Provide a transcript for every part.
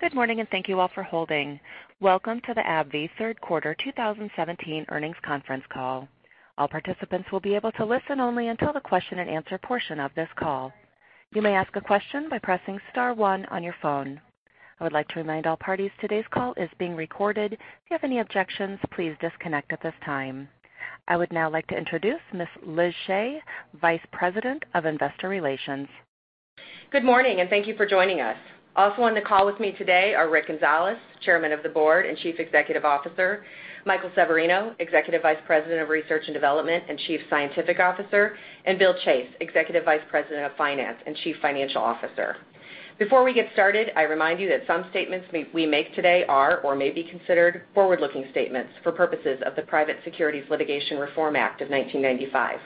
Good morning, and thank you all for holding. Welcome to the AbbVie Third Quarter 2017 Earnings Conference Call. All participants will be able to listen only until the question and answer portion of this call. You may ask a question by pressing star one on your phone. I would like to remind all parties today's call is being recorded. If you have any objections, please disconnect at this time. I would now like to introduce Ms. Elizabeth Shea, Vice President of Investor Relations. Good morning, and thank you for joining us. Also on the call with me today are Rick Gonzalez, Chairman of the Board and Chief Executive Officer. Michael Severino, Executive Vice President of Research and Development and Chief Scientific Officer, and Bill Chase, Executive Vice President of Finance and Chief Financial Officer. Before we get started, I remind you that some statements we make today are or may be considered forward-looking statements for purposes of the Private Securities Litigation Reform Act of 1995.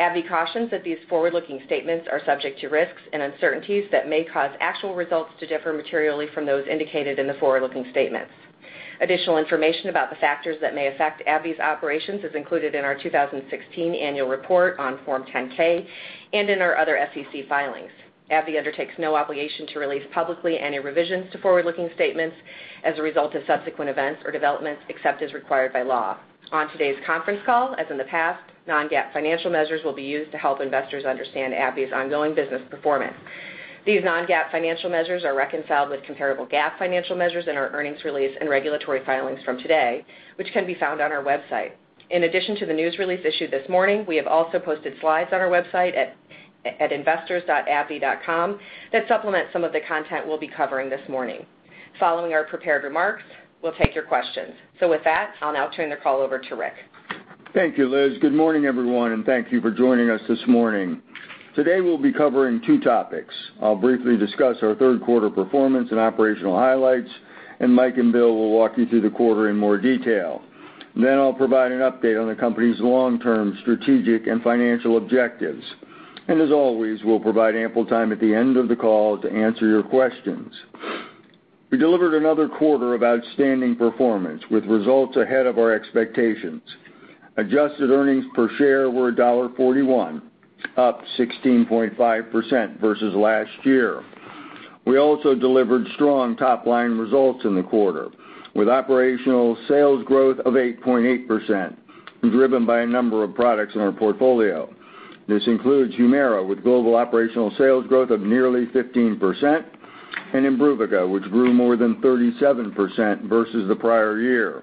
AbbVie cautions that these forward-looking statements are subject to risks and uncertainties that may cause actual results to differ materially from those indicated in the forward-looking statements. Additional information about the factors that may affect AbbVie's operations is included in our 2016 annual report on Form 10-K and in our other SEC filings. AbbVie undertakes no obligation to release publicly any revisions to forward-looking statements as a result of subsequent events or developments except as required by law. On today's conference call, as in the past, non-GAAP financial measures will be used to help investors understand AbbVie's ongoing business performance. These non-GAAP financial measures are reconciled with comparable GAAP financial measures in our earnings release and regulatory filings from today, which can be found on our website. In addition to the news release issued this morning, we have also posted slides on our website at investors.abbvie.com that supplement some of the content we'll be covering this morning. Following our prepared remarks, we'll take your questions. With that, I'll now turn the call over to Rick. Thank you, Liz. Good morning, everyone, and thank you for joining us this morning. Today, we'll be covering two topics. I'll briefly discuss our third quarter performance and operational highlights, and Mike and Bill will walk you through the quarter in more detail. I'll provide an update on the company's long-term strategic and financial objectives. As always, we'll provide ample time at the end of the call to answer your questions. We delivered another quarter of outstanding performance with results ahead of our expectations. Adjusted earnings per share were $1.41, up 16.5% versus last year. We also delivered strong top-line results in the quarter with operational sales growth of 8.8%, driven by a number of products in our portfolio. This includes HUMIRA, with global operational sales growth of nearly 15%, and IMBRUVICA, which grew more than 37% versus the prior year.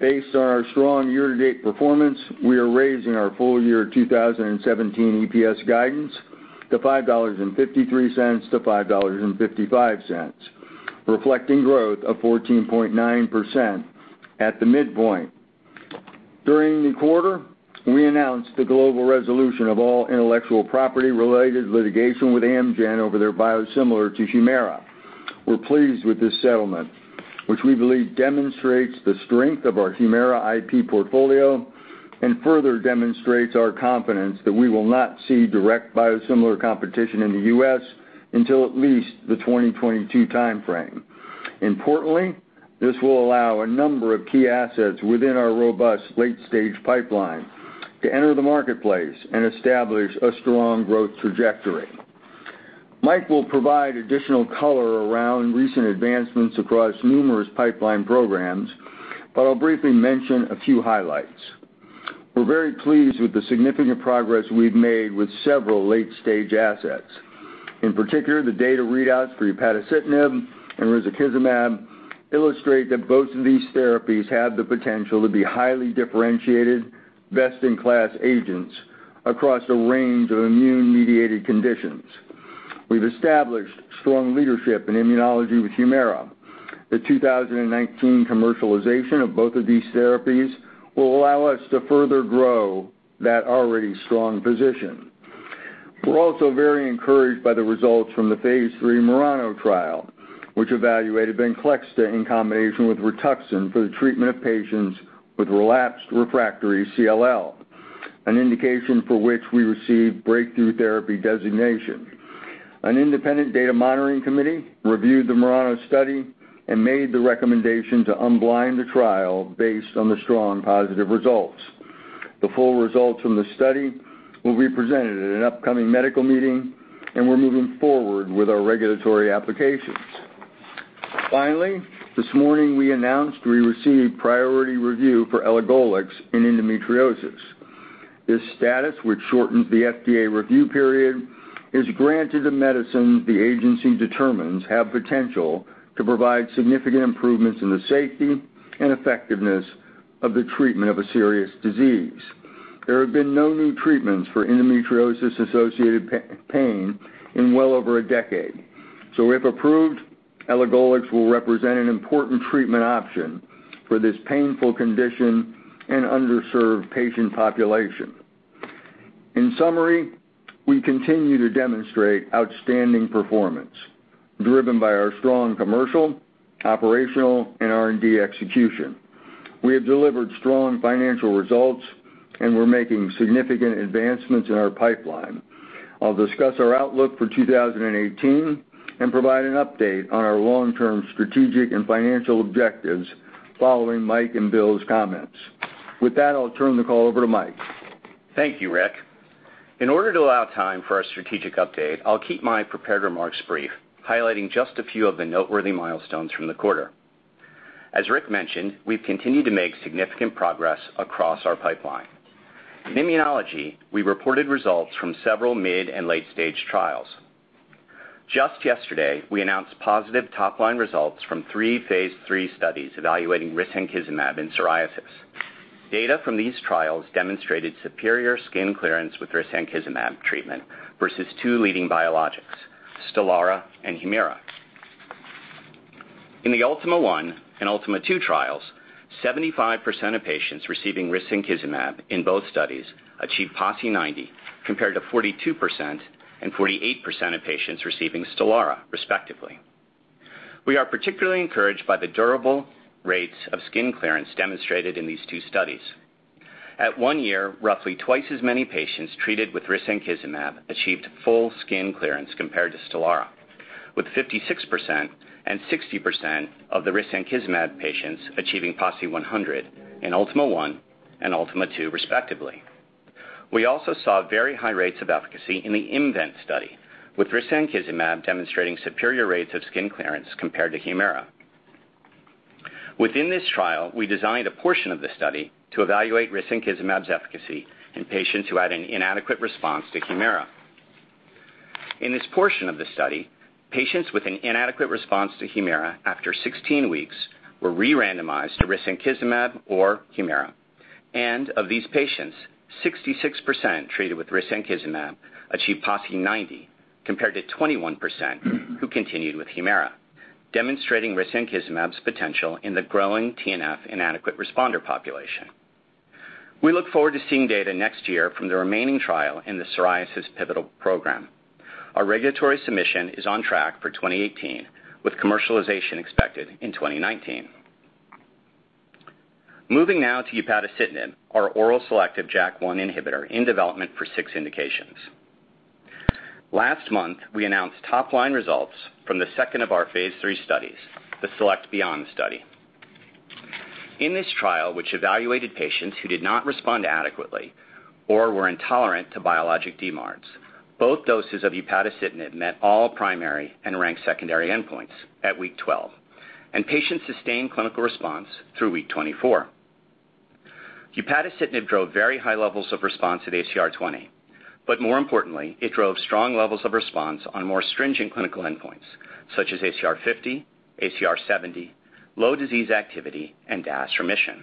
Based on our strong year-to-date performance, we are raising our full year 2017 EPS guidance to $5.53-$5.55, reflecting growth of 14.9% at the midpoint. During the quarter, we announced the global resolution of all intellectual property-related litigation with Amgen over their biosimilar to HUMIRA. We're pleased with this settlement, which we believe demonstrates the strength of our HUMIRA IP portfolio and further demonstrates our confidence that we will not see direct biosimilar competition in the U.S. until at least the 2022 timeframe. Importantly, this will allow a number of key assets within our robust late-stage pipeline to enter the marketplace and establish a strong growth trajectory. Mike will provide additional color around recent advancements across numerous pipeline programs, but I'll briefly mention a few highlights. We're very pleased with the significant progress we've made with several late-stage assets. In particular, the data readouts for upadacitinib and risankizumab illustrate that both of these therapies have the potential to be highly differentiated, best-in-class agents across a range of immune-mediated conditions. We've established strong leadership in immunology with HUMIRA. The 2019 commercialization of both of these therapies will allow us to further grow that already strong position. We're also very encouraged by the results from the phase III MURANO trial, which evaluated VENCLEXTA in combination with rituximab for the treatment of patients with relapsed/refractory CLL, an indication for which we received breakthrough therapy designation. An independent data monitoring committee reviewed the MURANO study and made the recommendation to unblind the trial based on the strong positive results. The full results from the study will be presented at an upcoming medical meeting. We're moving forward with our regulatory applications. Finally, this morning we announced we received priority review for elagolix in endometriosis. This status, which shortens the FDA review period, is granted a medicine the agency determines have potential to provide significant improvements in the safety and effectiveness of the treatment of a serious disease. There have been no new treatments for endometriosis-associated pain in well over a decade. If approved, elagolix will represent an important treatment option for this painful condition and underserved patient population. In summary, we continue to demonstrate outstanding performance driven by our strong commercial, operational, and R&D execution. We have delivered strong financial results, and we're making significant advancements in our pipeline. I'll discuss our outlook for 2018 and provide an update on our long-term strategic and financial objectives following Mike and Bill's comments. With that, I'll turn the call over to Mike. Thank you, Rick. In order to allow time for our strategic update, I'll keep my prepared remarks brief, highlighting just a few of the noteworthy milestones from the quarter. As Rick mentioned, we've continued to make significant progress across our pipeline. In immunology, we reported results from several mid and late-stage trials. Just yesterday, we announced positive top-line results from three phase III studies evaluating risankizumab in psoriasis. Data from these trials demonstrated superior skin clearance with risankizumab treatment versus two leading biologics, STELARA and HUMIRA. In the ultIMMa-1 and ultIMMa-2 trials, 75% of patients receiving risankizumab in both studies achieved PASI 90, compared to 42% and 48% of patients receiving STELARA respectively. We are particularly encouraged by the durable rates of skin clearance demonstrated in these two studies. At one year, roughly twice as many patients treated with risankizumab achieved full skin clearance compared to STELARA, with 56% and 60% of the risankizumab patients achieving PASI 100 in ultIMMa-1 and ultIMMa-2 respectively. We also saw very high rates of efficacy in the IMMvent study, with risankizumab demonstrating superior rates of skin clearance compared to HUMIRA. Within this trial, we designed a portion of the study to evaluate risankizumab's efficacy in patients who had an inadequate response to HUMIRA. In this portion of the study, patients with an inadequate response to HUMIRA after 16 weeks were re-randomized to risankizumab or HUMIRA. Of these patients, 66% treated with risankizumab achieved PASI 90 compared to 21% who continued with HUMIRA, demonstrating risankizumab's potential in the growing TNF inadequate responder population. We look forward to seeing data next year from the remaining trial in the psoriasis pivotal program. Our regulatory submission is on track for 2018 with commercialization expected in 2019. Moving now to upadacitinib, our oral selective JAK1 inhibitor in development for six indications. Last month, we announced top-line results from the second of our phase III studies, the SELECT-BEYOND study. In this trial, which evaluated patients who did not respond adequately or were intolerant to biologic DMARDs, both doses of upadacitinib met all primary and ranked secondary endpoints at week 12, and patients sustained clinical response through week 24. Upadacitinib drove very high levels of response at ACR 20. More importantly, it drove strong levels of response on more stringent clinical endpoints such as ACR 50, ACR 70, low disease activity, and DAS remission.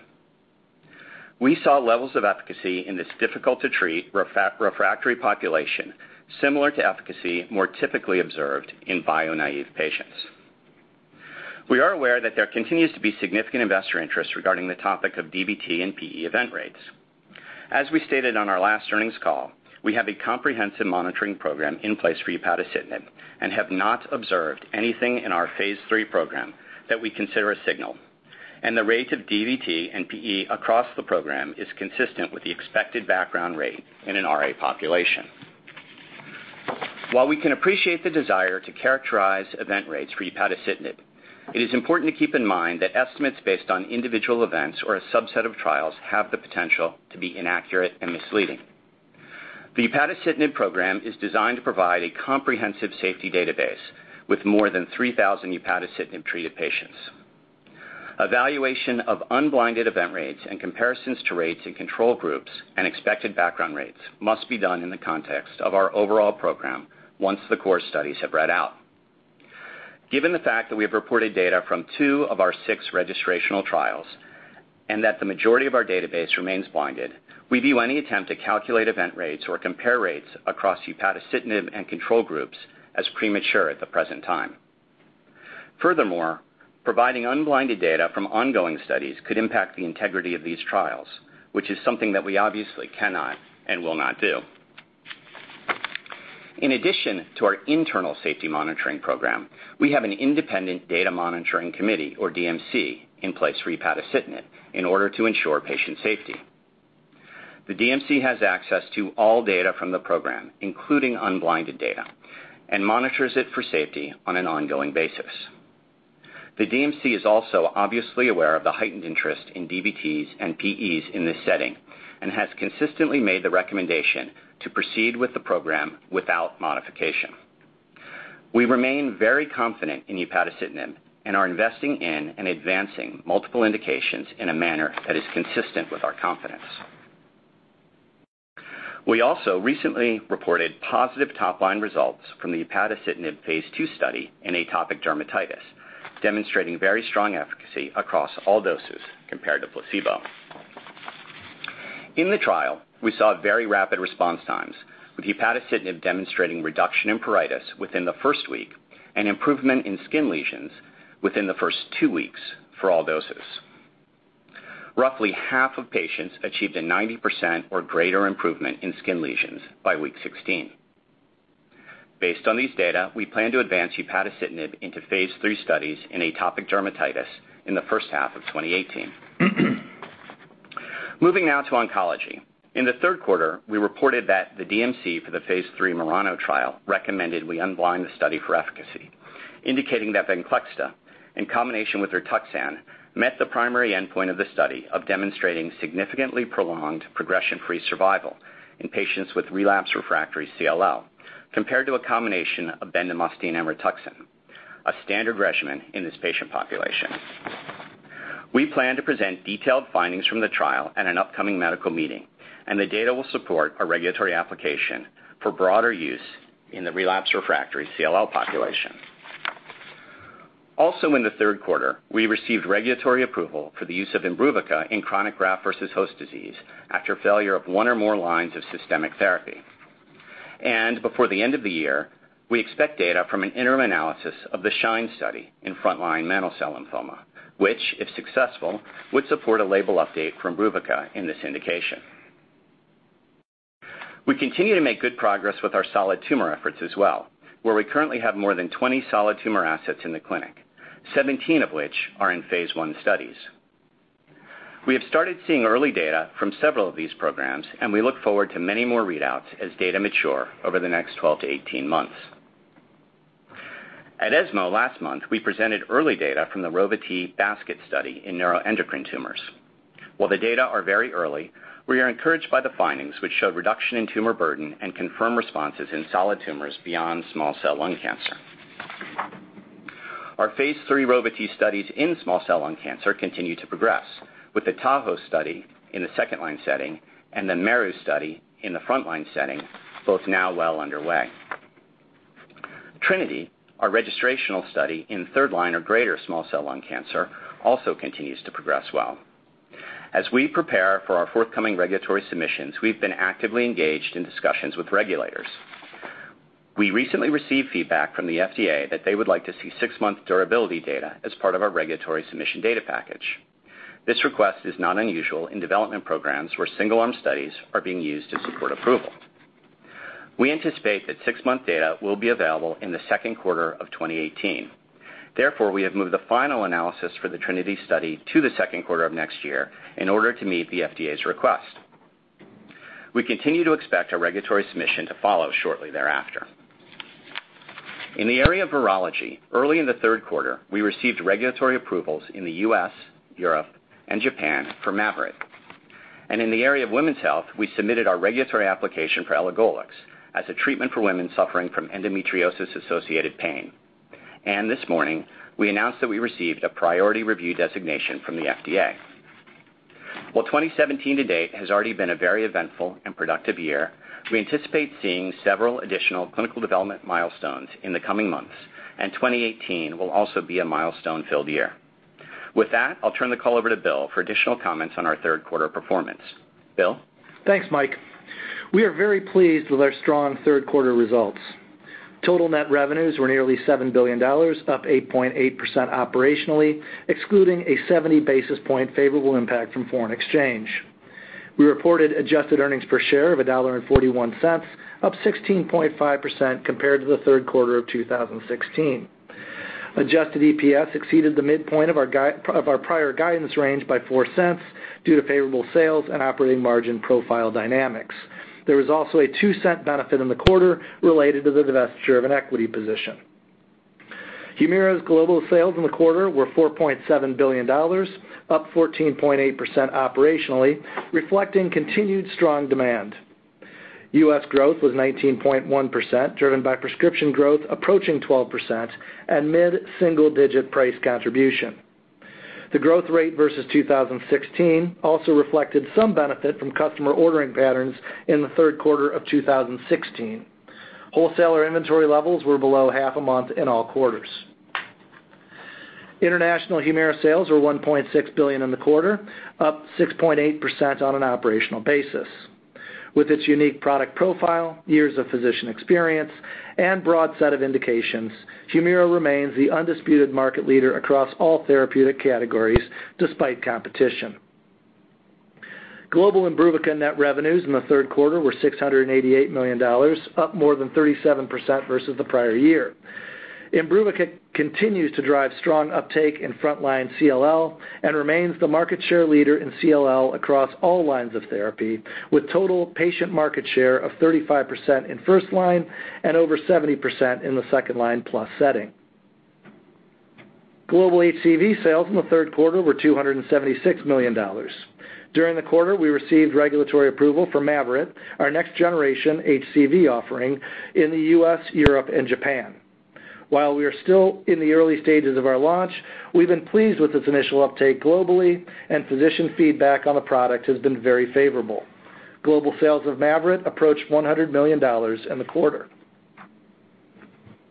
We saw levels of efficacy in this difficult-to-treat refractory population, similar to efficacy more typically observed in bio-naive patients. We are aware that there continues to be significant investor interest regarding the topic of DVT and PE event rates. As we stated on our last earnings call, we have a comprehensive monitoring program in place for upadacitinib and have not observed anything in our phase III program that we consider a signal. The rate of DVT and PE across the program is consistent with the expected background rate in an RA population. While we can appreciate the desire to characterize event rates for upadacitinib, it is important to keep in mind that estimates based on individual events or a subset of trials have the potential to be inaccurate and misleading. The upadacitinib program is designed to provide a comprehensive safety database with more than 3,000 upadacitinib-treated patients. Evaluation of unblinded event rates and comparisons to rates in control groups and expected background rates must be done in the context of our overall program once the core studies have read out. Given the fact that we have reported data from two of our six registrational trials and that the majority of our database remains blinded, we view any attempt to calculate event rates or compare rates across upadacitinib and control groups as premature at the present time. Furthermore, providing unblinded data from ongoing studies could impact the integrity of these trials, which is something that we obviously cannot and will not do. In addition to our internal safety monitoring program, we have an independent data monitoring committee, or DMC, in place for upadacitinib in order to ensure patient safety. The DMC has access to all data from the program, including unblinded data, and monitors it for safety on an ongoing basis. The DMC is also obviously aware of the heightened interest in DVTs and PEs in this setting and has consistently made the recommendation to proceed with the program without modification. We remain very confident in upadacitinib and are investing in and advancing multiple indications in a manner that is consistent with our confidence. We also recently reported positive top-line results from the upadacitinib phase II study in atopic dermatitis, demonstrating very strong efficacy across all doses compared to placebo. In the trial, we saw very rapid response times, with upadacitinib demonstrating reduction in pruritus within the first week and improvement in skin lesions within the first two weeks for all doses. Roughly half of patients achieved a 90% or greater improvement in skin lesions by week 16. Based on these data, we plan to advance upadacitinib into phase III studies in atopic dermatitis in the first half of 2018. Moving now to oncology. In the third quarter, we reported that the DMC for the phase III MURANO trial recommended we unblind the study for efficacy. Indicating that VENCLEXTA, in combination with rituximab, met the primary endpoint of the study of demonstrating significantly prolonged progression-free survival in patients with relapsed refractory CLL, compared to a combination of bendamustine and rituximab, a standard regimen in this patient population. We plan to present detailed findings from the trial at an upcoming medical meeting, and the data will support a regulatory application for broader use in the relapsed refractory CLL population. In the third quarter, we received regulatory approval for the use of IMBRUVICA in chronic graft-versus-host disease after failure of one or more lines of systemic therapy. Before the end of the year, we expect data from an interim analysis of the SHINE study in frontline mantle cell lymphoma, which, if successful, would support a label update for IMBRUVICA in this indication. We continue to make good progress with our solid tumor efforts as well, where we currently have more than 20 solid tumor assets in the clinic, 17 of which are in phase I studies. We have started seeing early data from several of these programs, and we look forward to many more readouts as data mature over the next 12 to 18 months. At ESMO last month, we presented early data from the Rova-T basket study in neuroendocrine tumors. While the data are very early, we are encouraged by the findings, which showed reduction in tumor burden and confirmed responses in solid tumors beyond small cell lung cancer. Our phase III Rova-T studies in small cell lung cancer continue to progress, with the TAHOE study in the second-line setting and the MERU study in the frontline setting both now well underway. TRINITY, our registrational study in third-line or greater small cell lung cancer, also continues to progress well. As we prepare for our forthcoming regulatory submissions, we've been actively engaged in discussions with regulators. We recently received feedback from the FDA that they would like to see six-month durability data as part of our regulatory submission data package. This request is not unusual in development programs where single-arm studies are being used to support approval. We anticipate that six-month data will be available in the second quarter of 2018. Therefore, we have moved the final analysis for the TRINITY study to the second quarter of next year in order to meet the FDA's request. We continue to expect a regulatory submission to follow shortly thereafter. In the area of virology, early in the third quarter, we received regulatory approvals in the U.S., Europe, and Japan for MAVYRET. In the area of women's health, we submitted our regulatory application for elagolix as a treatment for women suffering from endometriosis-associated pain. This morning, we announced that we received a priority review designation from the FDA. While 2017 to date has already been a very eventful and productive year, we anticipate seeing several additional clinical development milestones in the coming months, and 2018 will also be a milestone-filled year. With that, I'll turn the call over to Bill for additional comments on our third quarter performance. Bill? Thanks, Mike. We are very pleased with our strong third quarter results. Total net revenues were nearly $7 billion, up 8.8% operationally, excluding a 70 basis point favorable impact from foreign exchange. We reported adjusted EPS of $1.41, up 16.5% compared to the third quarter of 2016. Adjusted EPS exceeded the midpoint of our prior guidance range by $0.04 due to favorable sales and operating margin profile dynamics. There was also a $0.02 benefit in the quarter related to the divestiture of an equity position. HUMIRA's global sales in the quarter were $4.7 billion, up 14.8% operationally, reflecting continued strong demand. U.S. growth was 19.1%, driven by prescription growth approaching 12% and mid-single-digit price contribution. The growth rate versus 2016 also reflected some benefit from customer ordering patterns in the third quarter of 2016. Wholesaler inventory levels were below half a month in all quarters. International HUMIRA sales were $1.6 billion in the quarter, up 6.8% on an operational basis. With its unique product profile, years of physician experience, and broad set of indications, HUMIRA remains the undisputed market leader across all therapeutic categories despite competition. Global IMBRUVICA net revenues in the third quarter were $688 million, up more than 37% versus the prior year. IMBRUVICA continues to drive strong uptake in frontline CLL and remains the market share leader in CLL across all lines of therapy, with total patient market share of 35% in first-line and over 70% in the second-line plus setting. Global HCV sales in the third quarter were $276 million. During the quarter, we received regulatory approval for MAVYRET, our next-generation HCV offering, in the U.S., Europe, and Japan. While we are still in the early stages of our launch, we've been pleased with its initial uptake globally and physician feedback on the product has been very favorable. Global sales of MAVYRET approached $100 million in the quarter.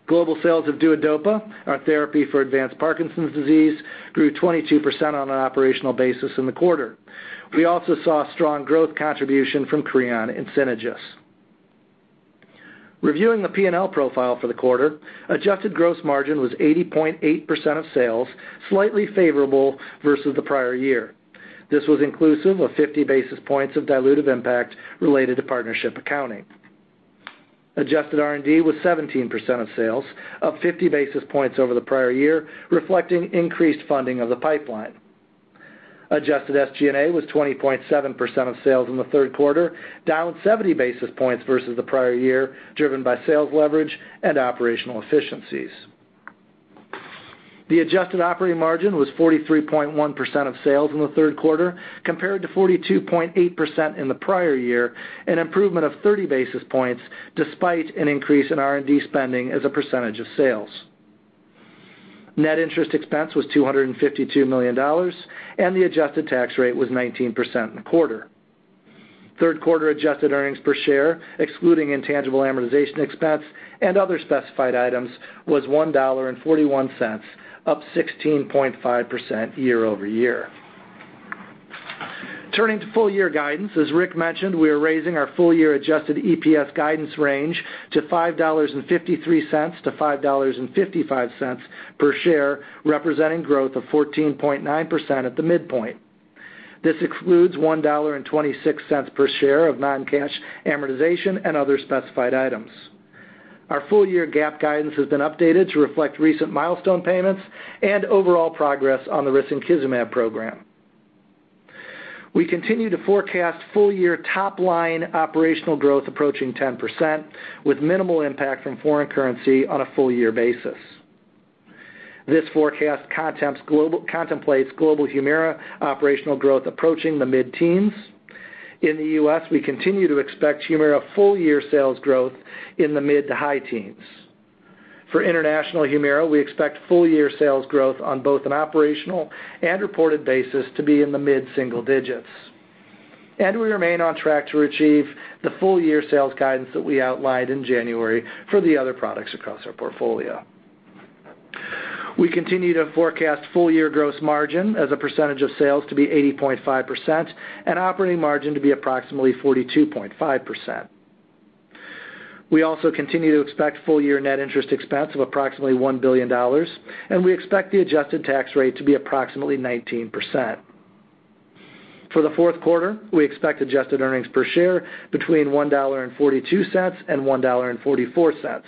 Global sales of DUODOPA, our therapy for advanced Parkinson's disease, grew 22% on an operational basis in the quarter. We also saw strong growth contribution from CREON and SYNTHROID. Reviewing the P&L profile for the quarter, adjusted gross margin was 80.8% of sales, slightly favorable versus the prior year. This was inclusive of 50 basis points of dilutive impact related to partnership accounting. Adjusted R&D was 17% of sales, up 50 basis points over the prior year, reflecting increased funding of the pipeline. Adjusted SG&A was 20.7% of sales in the third quarter, down 70 basis points versus the prior year, driven by sales leverage and operational efficiencies. The adjusted operating margin was 43.1% of sales in the third quarter, compared to 42.8% in the prior year, an improvement of 30 basis points despite an increase in R&D spending as a percentage of sales. Net interest expense was $252 million, the adjusted tax rate was 19% in the quarter. Third quarter adjusted earnings per share, excluding intangible amortization expense and other specified items, was $1.41, up 16.5% year-over-year. Turning to full year guidance, as Rick mentioned, we are raising our full year adjusted EPS guidance range to $5.53-$5.55 per share, representing growth of 14.9% at the midpoint. This excludes $1.26 per share of non-cash amortization and other specified items. Our full year GAAP guidance has been updated to reflect recent milestone payments and overall progress on the risankizumab program. We continue to forecast full year top-line operational growth approaching 10%, with minimal impact from foreign currency on a full year basis. This forecast contemplates global HUMIRA operational growth approaching the mid-teens. In the U.S., we continue to expect HUMIRA full year sales growth in the mid to high teens. For international HUMIRA, we expect full year sales growth on both an operational and reported basis to be in the mid-single digits. We remain on track to achieve the full year sales guidance that we outlined in January for the other products across our portfolio. We continue to forecast full year gross margin as a percentage of sales to be 80.5%, and operating margin to be approximately 42.5%. We also continue to expect full year net interest expense of approximately $1 billion, and we expect the adjusted tax rate to be approximately 19%. For the fourth quarter, we expect adjusted earnings per share between $1.42-$1.44.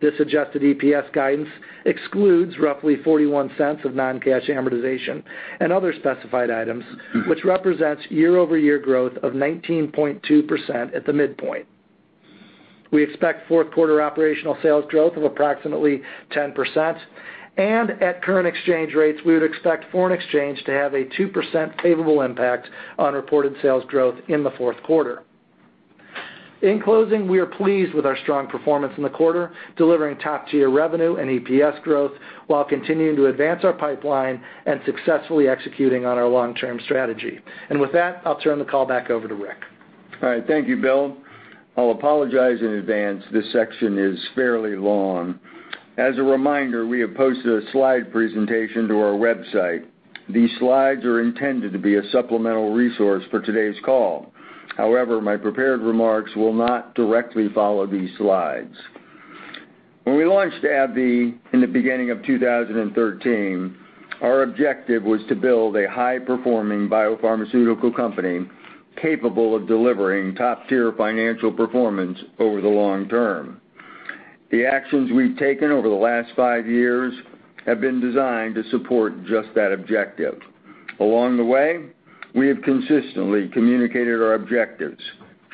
This adjusted EPS guidance excludes roughly $0.41 of non-cash amortization and other specified items, which represents year-over-year growth of 19.2% at the midpoint. We expect fourth quarter operational sales growth of approximately 10%, and at current exchange rates, we would expect foreign exchange to have a 2% favorable impact on reported sales growth in the fourth quarter. In closing, we are pleased with our strong performance in the quarter, delivering top-tier revenue and EPS growth while continuing to advance our pipeline and successfully executing on our long-term strategy. With that, I'll turn the call back over to Rick. All right. Thank you, Bill. I'll apologize in advance. This section is fairly long. As a reminder, we have posted a slide presentation to our website. These slides are intended to be a supplemental resource for today's call. However, my prepared remarks will not directly follow these slides. When we launched AbbVie in the beginning of 2013, our objective was to build a high-performing biopharmaceutical company capable of delivering top-tier financial performance over the long term. The actions we've taken over the last five years have been designed to support just that objective. Along the way, we have consistently communicated our objectives,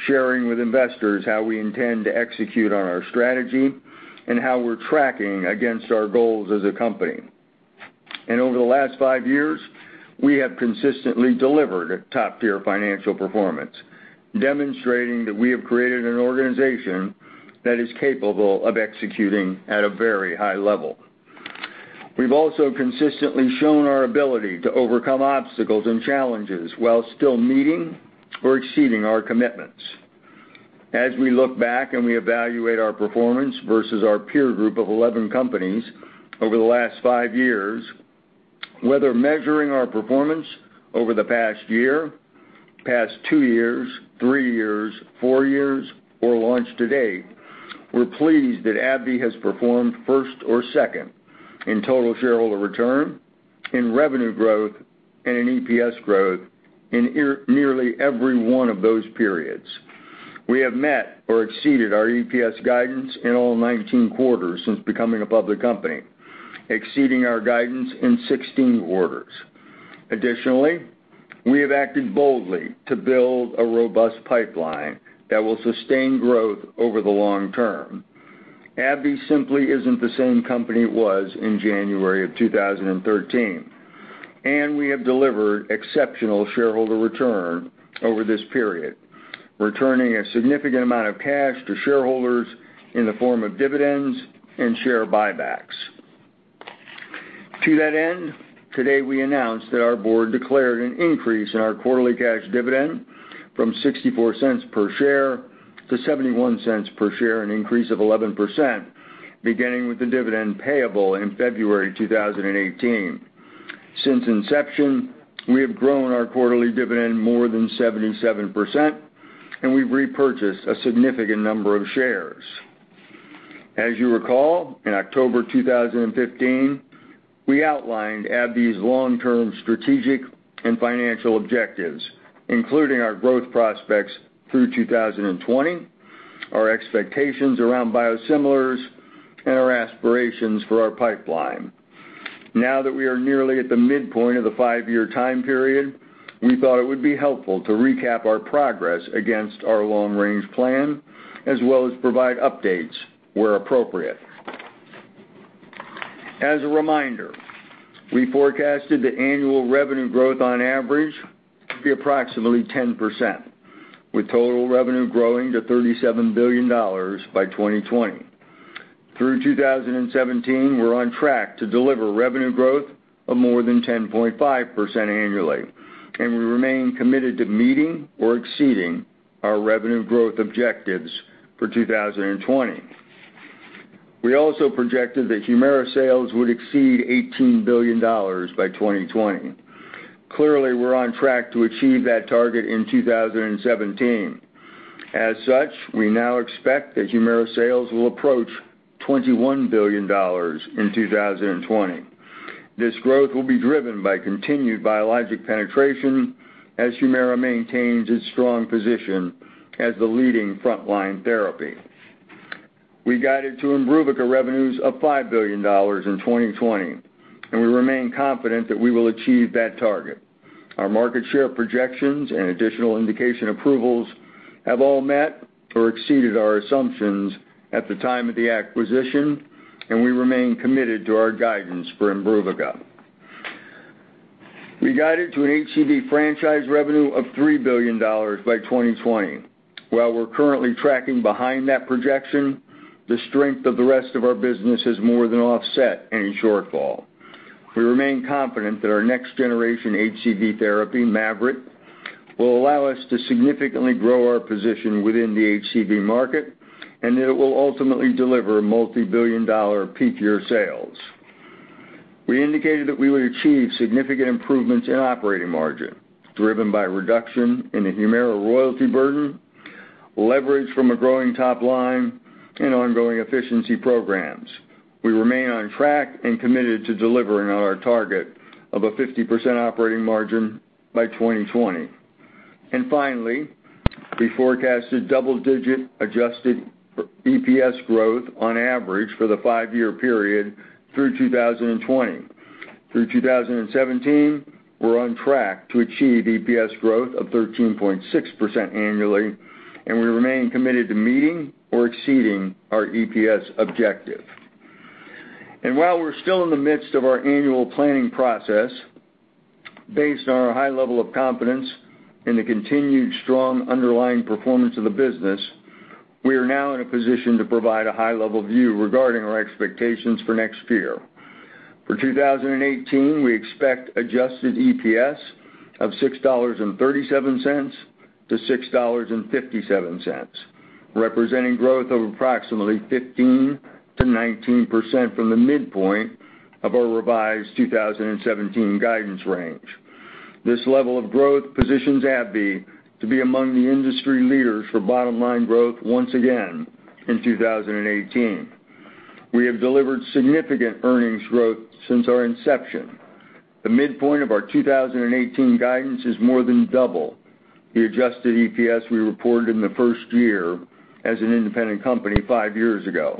sharing with investors how we intend to execute on our strategy and how we're tracking against our goals as a company. Over the last five years, we have consistently delivered a top-tier financial performance, demonstrating that we have created an organization that is capable of executing at a very high level. We've also consistently shown our ability to overcome obstacles and challenges while still meeting or exceeding our commitments. As we look back and we evaluate our performance versus our peer group of 11 companies over the last five years, whether measuring our performance over the past year, past two years, three years, four years, or launched to date, we're pleased that AbbVie has performed first or second in total shareholder return, in revenue growth, and in EPS growth in nearly every one of those periods. We have met or exceeded our EPS guidance in all 19 quarters since becoming a public company, exceeding our guidance in 16 quarters. Additionally, we have acted boldly to build a robust pipeline that will sustain growth over the long term. AbbVie simply isn't the same company it was in January of 2013, and we have delivered exceptional shareholder return over this period, returning a significant amount of cash to shareholders in the form of dividends and share buybacks. To that end, today we announced that our board declared an increase in our quarterly cash dividend from $0.64 per share to $0.71 per share, an increase of 11%, beginning with the dividend payable in February 2018. Since inception, we have grown our quarterly dividend more than 77%, and we've repurchased a significant number of shares. As you recall, in October 2015, we outlined AbbVie's long-term strategic and financial objectives, including our growth prospects through 2020, our expectations around biosimilars, and our aspirations for our pipeline. Now that we are nearly at the midpoint of the five-year time period, we thought it would be helpful to recap our progress against our long-range plan, as well as provide updates where appropriate. As a reminder, we forecasted the annual revenue growth on average to be approximately 10%, with total revenue growing to $37 billion by 2020. Through 2017, we're on track to deliver revenue growth of more than 10.5% annually, and we remain committed to meeting or exceeding our revenue growth objectives for 2020. We also projected that HUMIRA sales would exceed $18 billion by 2020. Clearly, we're on track to achieve that target in 2017. As such, we now expect that HUMIRA sales will approach $21 billion in 2020. This growth will be driven by continued biologic penetration, as HUMIRA maintains its strong position as the leading frontline therapy. We guided to IMBRUVICA revenues of $5 billion in 2020. We remain confident that we will achieve that target. Our market share projections and additional indication approvals have all met or exceeded our assumptions at the time of the acquisition. We remain committed to our guidance for IMBRUVICA. We guided to an HCV franchise revenue of $3 billion by 2020. While we're currently tracking behind that projection, the strength of the rest of our business has more than offset any shortfall. We remain confident that our next-generation HCV therapy, MAVYRET, will allow us to significantly grow our position within the HCV market. It will ultimately deliver multibillion-dollar peak year sales. We indicated that we would achieve significant improvements in operating margin, driven by a reduction in the HUMIRA royalty burden, leverage from a growing top line, and ongoing efficiency programs. We remain on track and committed to delivering on our target of a 50% operating margin by 2020. Finally, we forecasted double-digit adjusted EPS growth on average for the five-year period through 2020. Through 2017, we're on track to achieve EPS growth of 13.6% annually. We remain committed to meeting or exceeding our EPS objective. While we're still in the midst of our annual planning process, based on our high level of confidence in the continued strong underlying performance of the business, we are now in a position to provide a high-level view regarding our expectations for next year. For 2018, we expect adjusted EPS of $6.37-$6.57, representing growth of approximately 15%-19% from the midpoint of our revised 2017 guidance range. This level of growth positions AbbVie to be among the industry leaders for bottom-line growth once again in 2018. We have delivered significant earnings growth since our inception. The midpoint of our 2018 guidance is more than double the adjusted EPS we reported in the first year as an independent company five years ago.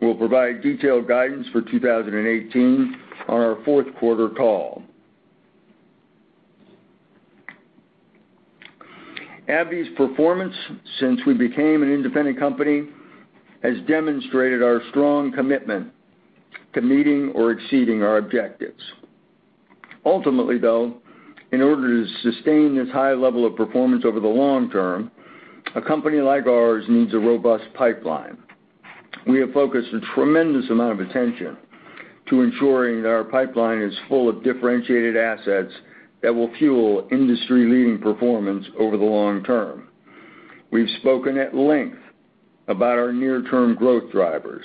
We'll provide detailed guidance for 2018 on our fourth quarter call. AbbVie's performance since we became an independent company has demonstrated our strong commitment to meeting or exceeding our objectives. Ultimately, though, in order to sustain this high level of performance over the long term, a company like ours needs a robust pipeline. We have focused a tremendous amount of attention to ensuring that our pipeline is full of differentiated assets that will fuel industry-leading performance over the long term. We've spoken at length about our near-term growth drivers,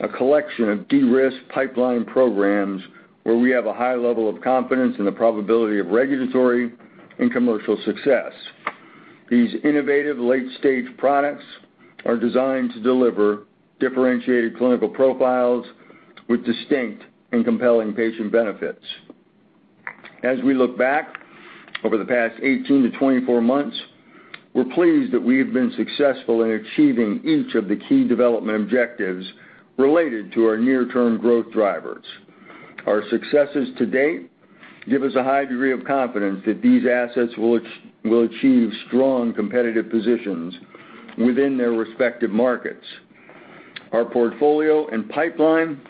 a collection of de-risked pipeline programs where we have a high level of confidence in the probability of regulatory and commercial success. These innovative late-stage products are designed to deliver differentiated clinical profiles with distinct and compelling patient benefits. As we look back over the past 18-24 months, we're pleased that we have been successful in achieving each of the key development objectives related to our near-term growth drivers. Our successes to date give us a high degree of confidence that these assets will achieve strong competitive positions within their respective markets. Our portfolio and pipeline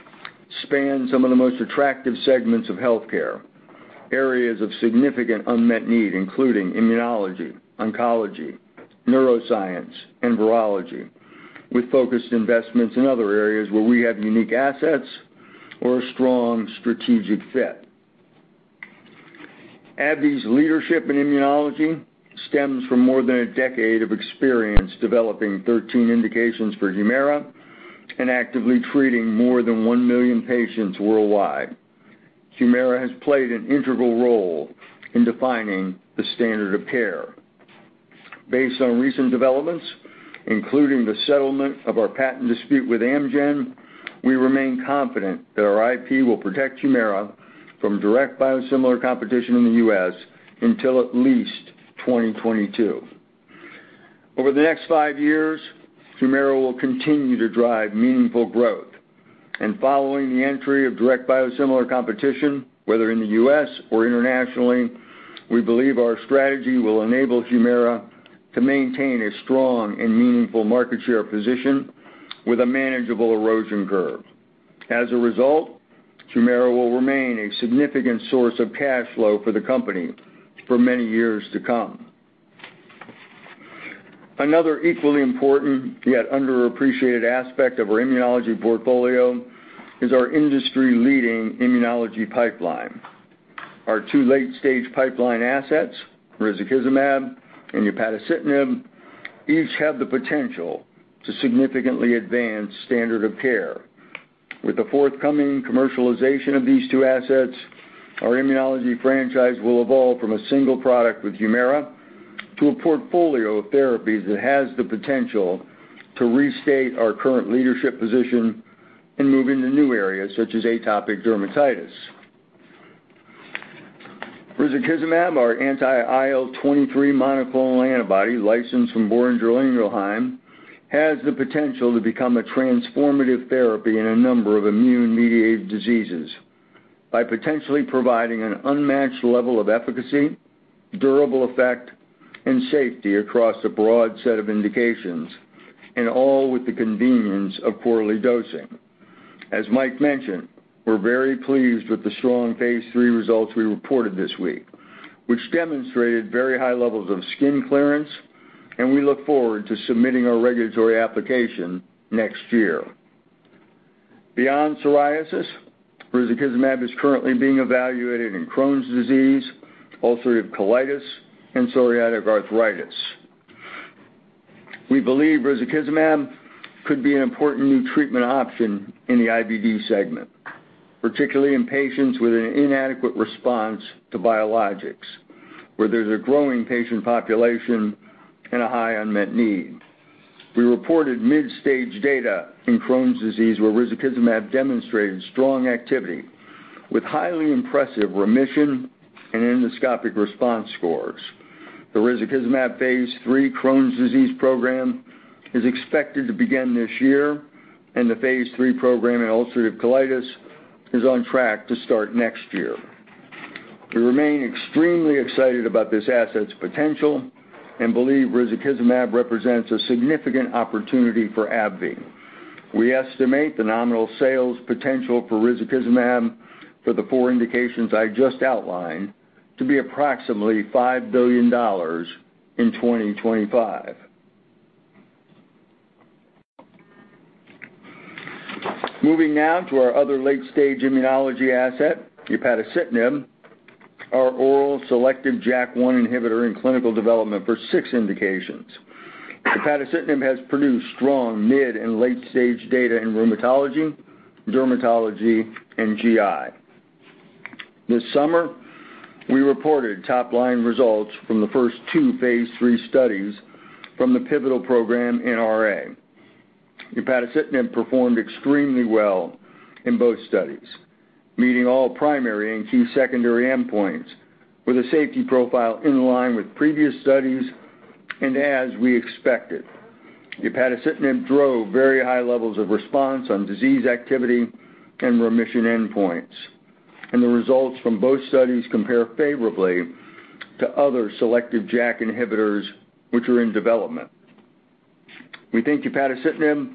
span some of the most attractive segments of healthcare, areas of significant unmet need, including immunology, oncology, neuroscience, and virology, with focused investments in other areas where we have unique assets or a strong strategic fit. AbbVie's leadership in immunology stems from more than a decade of experience developing 13 indications for HUMIRA and actively treating more than one million patients worldwide. HUMIRA has played an integral role in defining the standard of care. Based on recent developments, including the settlement of our patent dispute with Amgen. We remain confident that our IP will protect HUMIRA from direct biosimilar competition in the U.S. until at least 2022. Over the next five years, HUMIRA will continue to drive meaningful growth. Following the entry of direct biosimilar competition, whether in the U.S. or internationally, we believe our strategy will enable HUMIRA to maintain a strong and meaningful market share position with a manageable erosion curve. As a result, HUMIRA will remain a significant source of cash flow for the company for many years to come. Another equally important, yet underappreciated aspect of our immunology portfolio is our industry-leading immunology pipeline. Our two late-stage pipeline assets, risankizumab and upadacitinib, each have the potential to significantly advance standard of care. With the forthcoming commercialization of these two assets, our immunology franchise will evolve from a single product with HUMIRA to a portfolio of therapies that has the potential to restate our current leadership position in moving to new areas such as atopic dermatitis. Risankizumab, our anti-IL-23 monoclonal antibody licensed from Boehringer Ingelheim, has the potential to become a transformative therapy in a number of immune-mediated diseases by potentially providing an unmatched level of efficacy, durable effect, and safety across a broad set of indications, and all with the convenience of quarterly dosing. As Mike mentioned, we are very pleased with the strong phase III results we reported this week, which demonstrated very high levels of skin clearance. We look forward to submitting our regulatory application next year. Beyond psoriasis, risankizumab is currently being evaluated in Crohn's disease, ulcerative colitis, and psoriatic arthritis. We believe risankizumab could be an important new treatment option in the IBD segment, particularly in patients with an inadequate response to biologics, where there is a growing patient population and a high unmet need. We reported mid-stage data in Crohn's disease, where risankizumab demonstrated strong activity with highly impressive remission and endoscopic response scores. The risankizumab phase III Crohn's disease program is expected to begin this year, and the phase III program in ulcerative colitis is on track to start next year. We remain extremely excited about this asset's potential and believe risankizumab represents a significant opportunity for AbbVie. We estimate the nominal sales potential for risankizumab for the 4 indications I just outlined to be approximately $5 billion in 2025. Moving now to our other late-stage immunology asset, upadacitinib, our oral selective JAK1 inhibitor in clinical development for 6 indications. Upadacitinib has produced strong mid- and late-stage data in rheumatology, dermatology, and GI. This summer, we reported top-line results from the first two phase III studies from the pivotal program in RA. Upadacitinib performed extremely well in both studies, meeting all primary and key secondary endpoints with a safety profile in line with previous studies and as we expected. Upadacitinib drove very high levels of response on disease activity and remission endpoints, and the results from both studies compare favorably to other selective JAK inhibitors which are in development. We think upadacitinib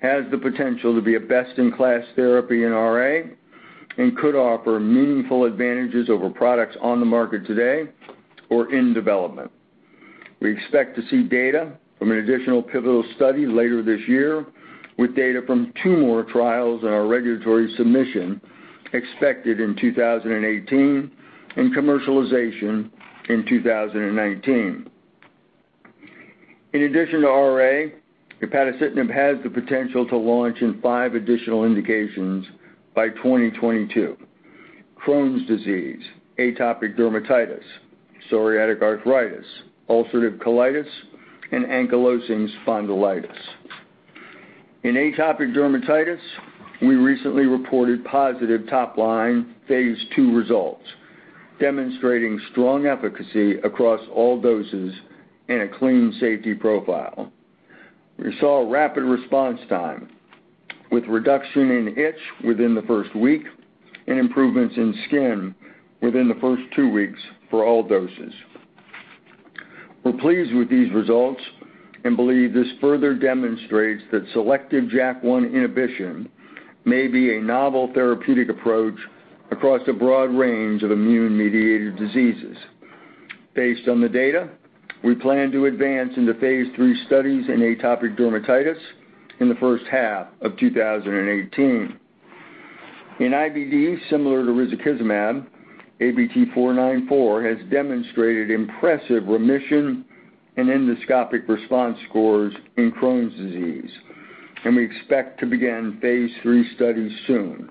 has the potential to be a best-in-class therapy in RA and could offer meaningful advantages over products on the market today or in development. We expect to see data from an additional pivotal study later this year with data from 2 more trials in our regulatory submission expected in 2018 and commercialization in 2019. In addition to RA, upadacitinib has the potential to launch in five additional indications by 2022: Crohn's disease, atopic dermatitis, psoriatic arthritis, ulcerative colitis, and ankylosing spondylitis. In atopic dermatitis, we recently reported positive top-line phase II results, demonstrating strong efficacy across all doses and a clean safety profile. We saw a rapid response time, with reduction in itch within the first week and improvements in skin within the first two weeks for all doses. We're pleased with these results and believe this further demonstrates that selective JAK1 inhibition may be a novel therapeutic approach across a broad range of immune-mediated diseases. Based on the data, we plan to advance into phase III studies in atopic dermatitis in the first half of 2018. In IBD, similar to risankizumab, upadacitinib has demonstrated impressive remission and endoscopic response scores in Crohn's disease. We expect to begin phase III studies soon.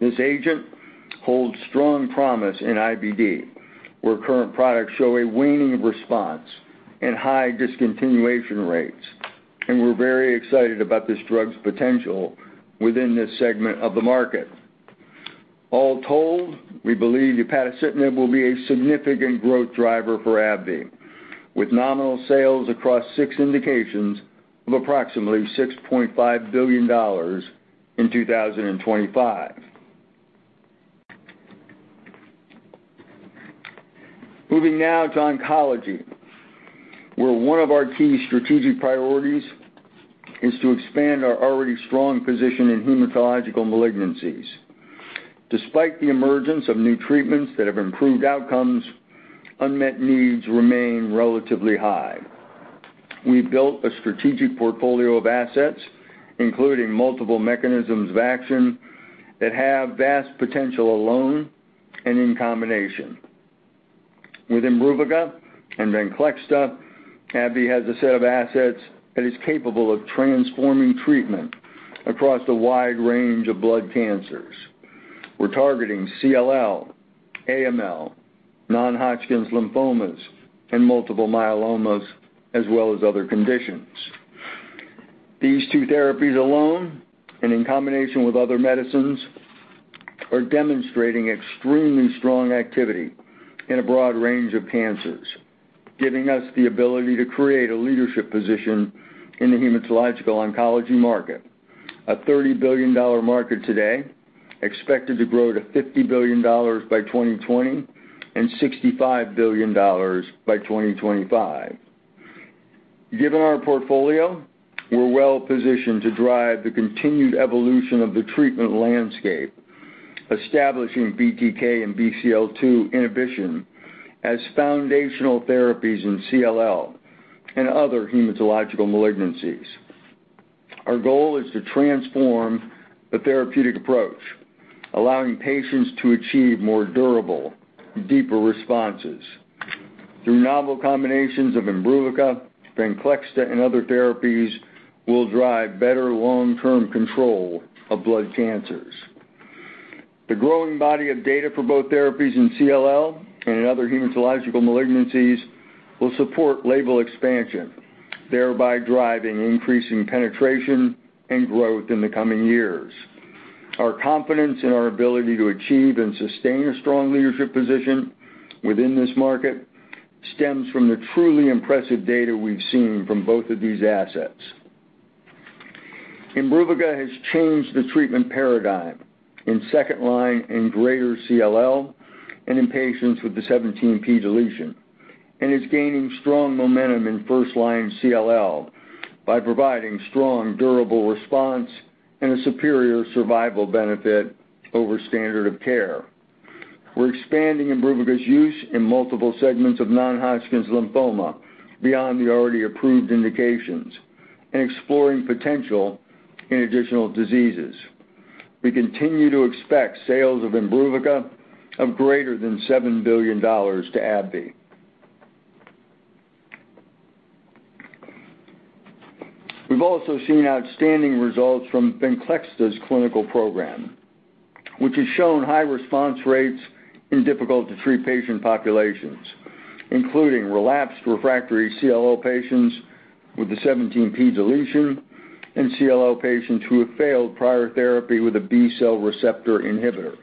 This agent holds strong promise in IBD, where current products show a waning response and high discontinuation rates. We're very excited about this drug's potential within this segment of the market. All told, we believe upadacitinib will be a significant growth driver for AbbVie, with nominal sales across six indications of approximately $6.5 billion in 2025. Moving now to oncology, where one of our key strategic priorities is to expand our already strong position in hematological malignancies. Despite the emergence of new treatments that have improved outcomes, unmet needs remain relatively high. We've built a strategic portfolio of assets, including multiple mechanisms of action that have vast potential alone and in combination. With IMBRUVICA and VENCLEXTA, AbbVie has a set of assets that is capable of transforming treatment across a wide range of blood cancers. We're targeting CLL, AML, non-Hodgkin's lymphomas, and multiple myeloma, as well as other conditions. These two therapies alone, and in combination with other medicines, are demonstrating extremely strong activity in a broad range of cancers, giving us the ability to create a leadership position in the hematological oncology market, a $30 billion market today, expected to grow to $50 billion by 2020 and $65 billion by 2025. Given our portfolio, we're well-positioned to drive the continued evolution of the treatment landscape, establishing BTK and BCL-2 inhibition as foundational therapies in CLL and other hematological malignancies. Our goal is to transform the therapeutic approach, allowing patients to achieve more durable, deeper responses. Through novel combinations of IMBRUVICA, VENCLEXTA, and other therapies, we'll drive better long-term control of blood cancers. The growing body of data for both therapies in CLL and in other hematological malignancies will support label expansion, thereby driving increasing penetration and growth in the coming years. Our confidence in our ability to achieve and sustain a strong leadership position within this market stems from the truly impressive data we've seen from both of these assets. IMBRUVICA has changed the treatment paradigm in second-line and greater CLL and in patients with the 17p deletion. It is gaining strong momentum in first-line CLL by providing strong durable response and a superior survival benefit over standard of care. We're expanding IMBRUVICA's use in multiple segments of non-Hodgkin's lymphoma beyond the already approved indications and exploring potential in additional diseases. We continue to expect sales of IMBRUVICA of greater than $7 billion to AbbVie. We've also seen outstanding results from VENCLEXTA's clinical program, which has shown high response rates in difficult-to-treat patient populations, including relapsed refractory CLL patients with the 17p deletion and CLL patients who have failed prior therapy with a B-cell receptor inhibitor.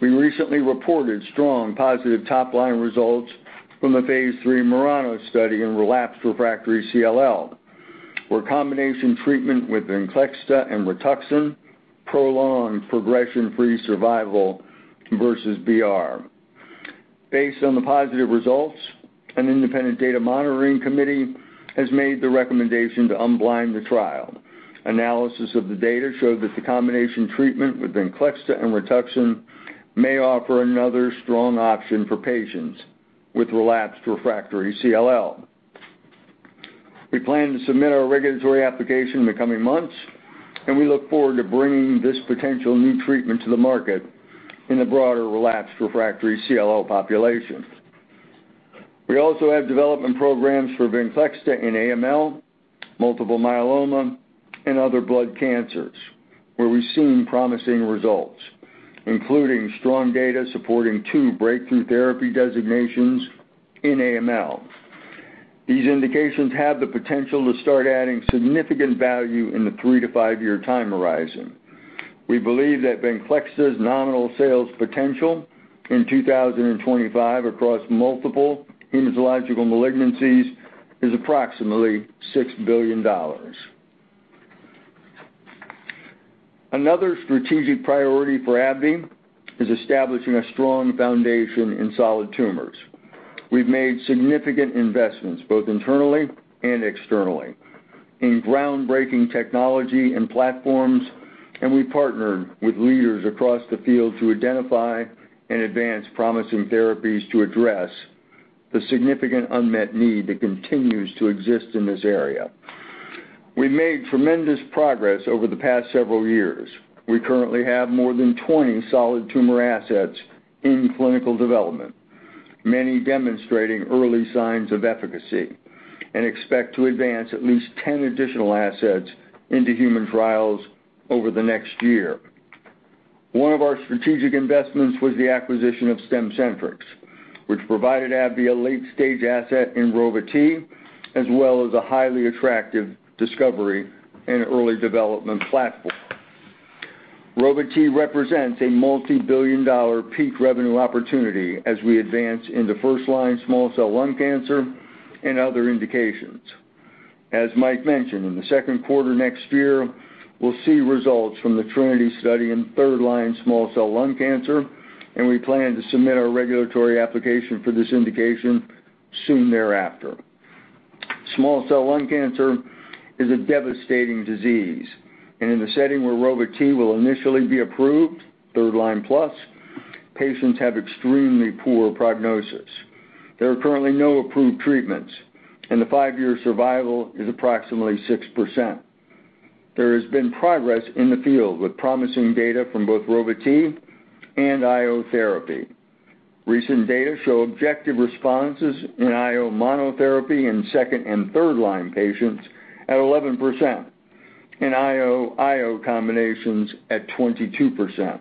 We recently reported strong positive top-line results from the phase III MURANO study in relapsed refractory CLL, where combination treatment with VENCLEXTA and Rituxan prolonged progression-free survival versus BR. Based on the positive results, an independent data monitoring committee has made the recommendation to unblind the trial. Analysis of the data showed that the combination treatment with VENCLEXTA and Rituxan may offer another strong option for patients with relapsed refractory CLL. We plan to submit our regulatory application in the coming months. We look forward to bringing this potential new treatment to the market in the broader relapsed refractory CLL population. We also have development programs for VENCLEXTA in AML, multiple myeloma, and other blood cancers, where we've seen promising results, including strong data supporting two breakthrough therapy designations in AML. These indications have the potential to start adding significant value in the three to five-year time horizon. We believe that VENCLEXTA's nominal sales potential in 2025 across multiple hematological malignancies is approximately $6 billion. Another strategic priority for AbbVie is establishing a strong foundation in solid tumors. We've made significant investments, both internally and externally, in groundbreaking technology and platforms. We've partnered with leaders across the field to identify and advance promising therapies to address the significant unmet need that continues to exist in this area. We made tremendous progress over the past several years. We currently have more than 20 solid tumor assets in clinical development. Many demonstrating early signs of efficacy and expect to advance at least 10 additional assets into human trials over the next year. One of our strategic investments was the acquisition of Stemcentrx, which provided AbbVie a late-stage asset in Rova-T, as well as a highly attractive discovery and early development platform. Rova-T represents a multibillion-dollar peak revenue opportunity as we advance into 1st-line small cell lung cancer and other indications. As Mike mentioned, in the second quarter next year, we'll see results from the TRINITY study in 3rd-line small cell lung cancer. We plan to submit our regulatory application for this indication soon thereafter. Small cell lung cancer is a devastating disease, and in the setting where Rova-T will initially be approved, 3rd line plus, patients have extremely poor prognosis. There are currently no approved treatments, and the five-year survival is approximately 6%. There has been progress in the field with promising data from both Rova-T and IO therapy. Recent data show objective responses in IO monotherapy in 2nd and 3rd-line patients at 11%, and IO combinations at 22%.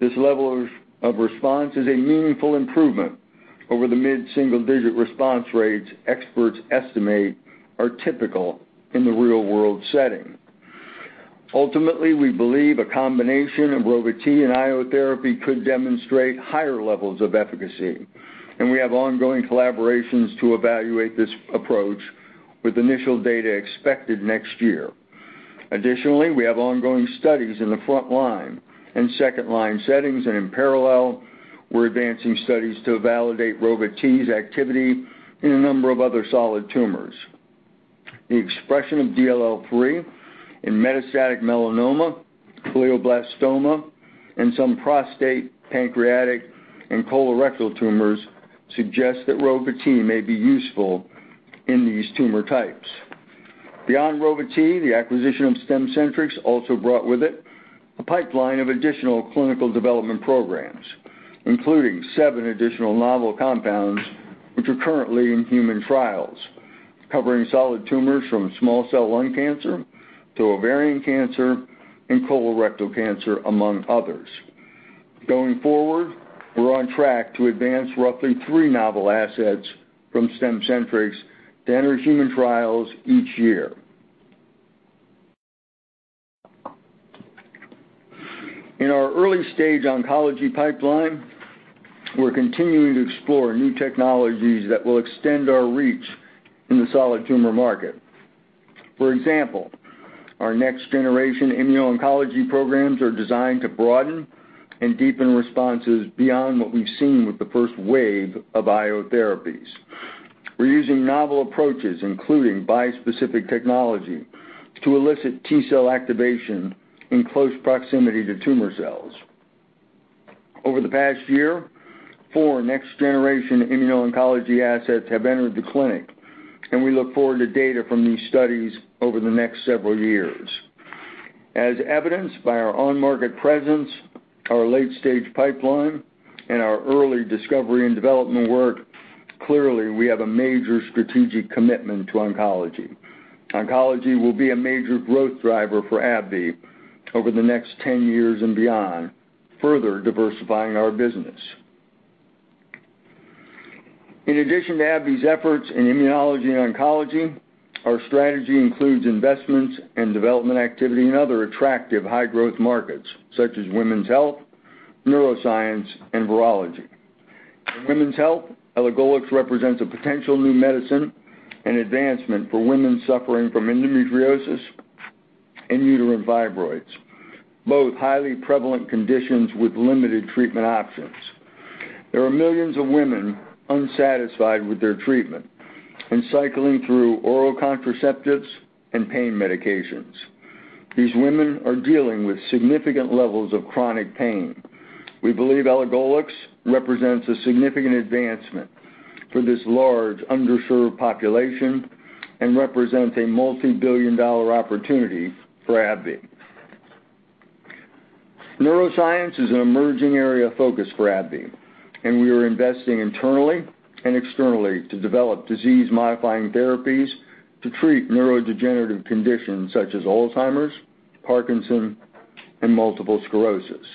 This level of response is a meaningful improvement over the mid-single-digit response rates experts estimate are typical in the real-world setting. Ultimately, we believe a combination of Rova-T and IO therapy could demonstrate higher levels of efficacy. We have ongoing collaborations to evaluate this approach with initial data expected next year. Additionally, we have ongoing studies in the 1st line and 2nd line settings. In parallel, we're advancing studies to validate Rova-T's activity in a number of other solid tumors. The expression of DLL3 in metastatic melanoma, glioblastoma, and some prostate, pancreatic, and colorectal tumors suggest that Rova-T may be useful in these tumor types. Beyond Rova-T, the acquisition of Stemcentrx also brought with it a pipeline of additional clinical development programs, including seven additional novel compounds which are currently in human trials, covering solid tumors from small cell lung cancer to ovarian cancer and colorectal cancer, among others. Going forward, we're on track to advance roughly three novel assets from Stemcentrx to enter human trials each year. In our early-stage oncology pipeline, we're continuing to explore new technologies that will extend our reach in the solid tumor market. For example, our next-generation immuno-oncology programs are designed to broaden and deepen responses beyond what we've seen with the first wave of IO therapies. We're using novel approaches, including bispecific technology, to elicit T-cell activation in close proximity to tumor cells. Over the past year, four next-generation immuno-oncology assets have entered the clinic, and we look forward to data from these studies over the next several years. As evidenced by our on-market presence, our late-stage pipeline, and our early discovery and development work, clearly, we have a major strategic commitment to oncology. Oncology will be a major growth driver for AbbVie over the next 10 years and beyond, further diversifying our business. In addition to AbbVie's efforts in immunology and oncology, our strategy includes investments and development activity in other attractive high-growth markets, such as women's health, neuroscience, and virology. In women's health, elagolix represents a potential new medicine and advancement for women suffering from endometriosis and uterine fibroids, both highly prevalent conditions with limited treatment options. There are millions of women unsatisfied with their treatment and cycling through oral contraceptives and pain medications. These women are dealing with significant levels of chronic pain. We believe elagolix represents a significant advancement for this large underserved population and represents a multibillion-dollar opportunity for AbbVie. Neuroscience is an emerging area of focus for AbbVie, and we are investing internally and externally to develop disease-modifying therapies to treat neurodegenerative conditions such as Alzheimer's, Parkinson's, and multiple sclerosis.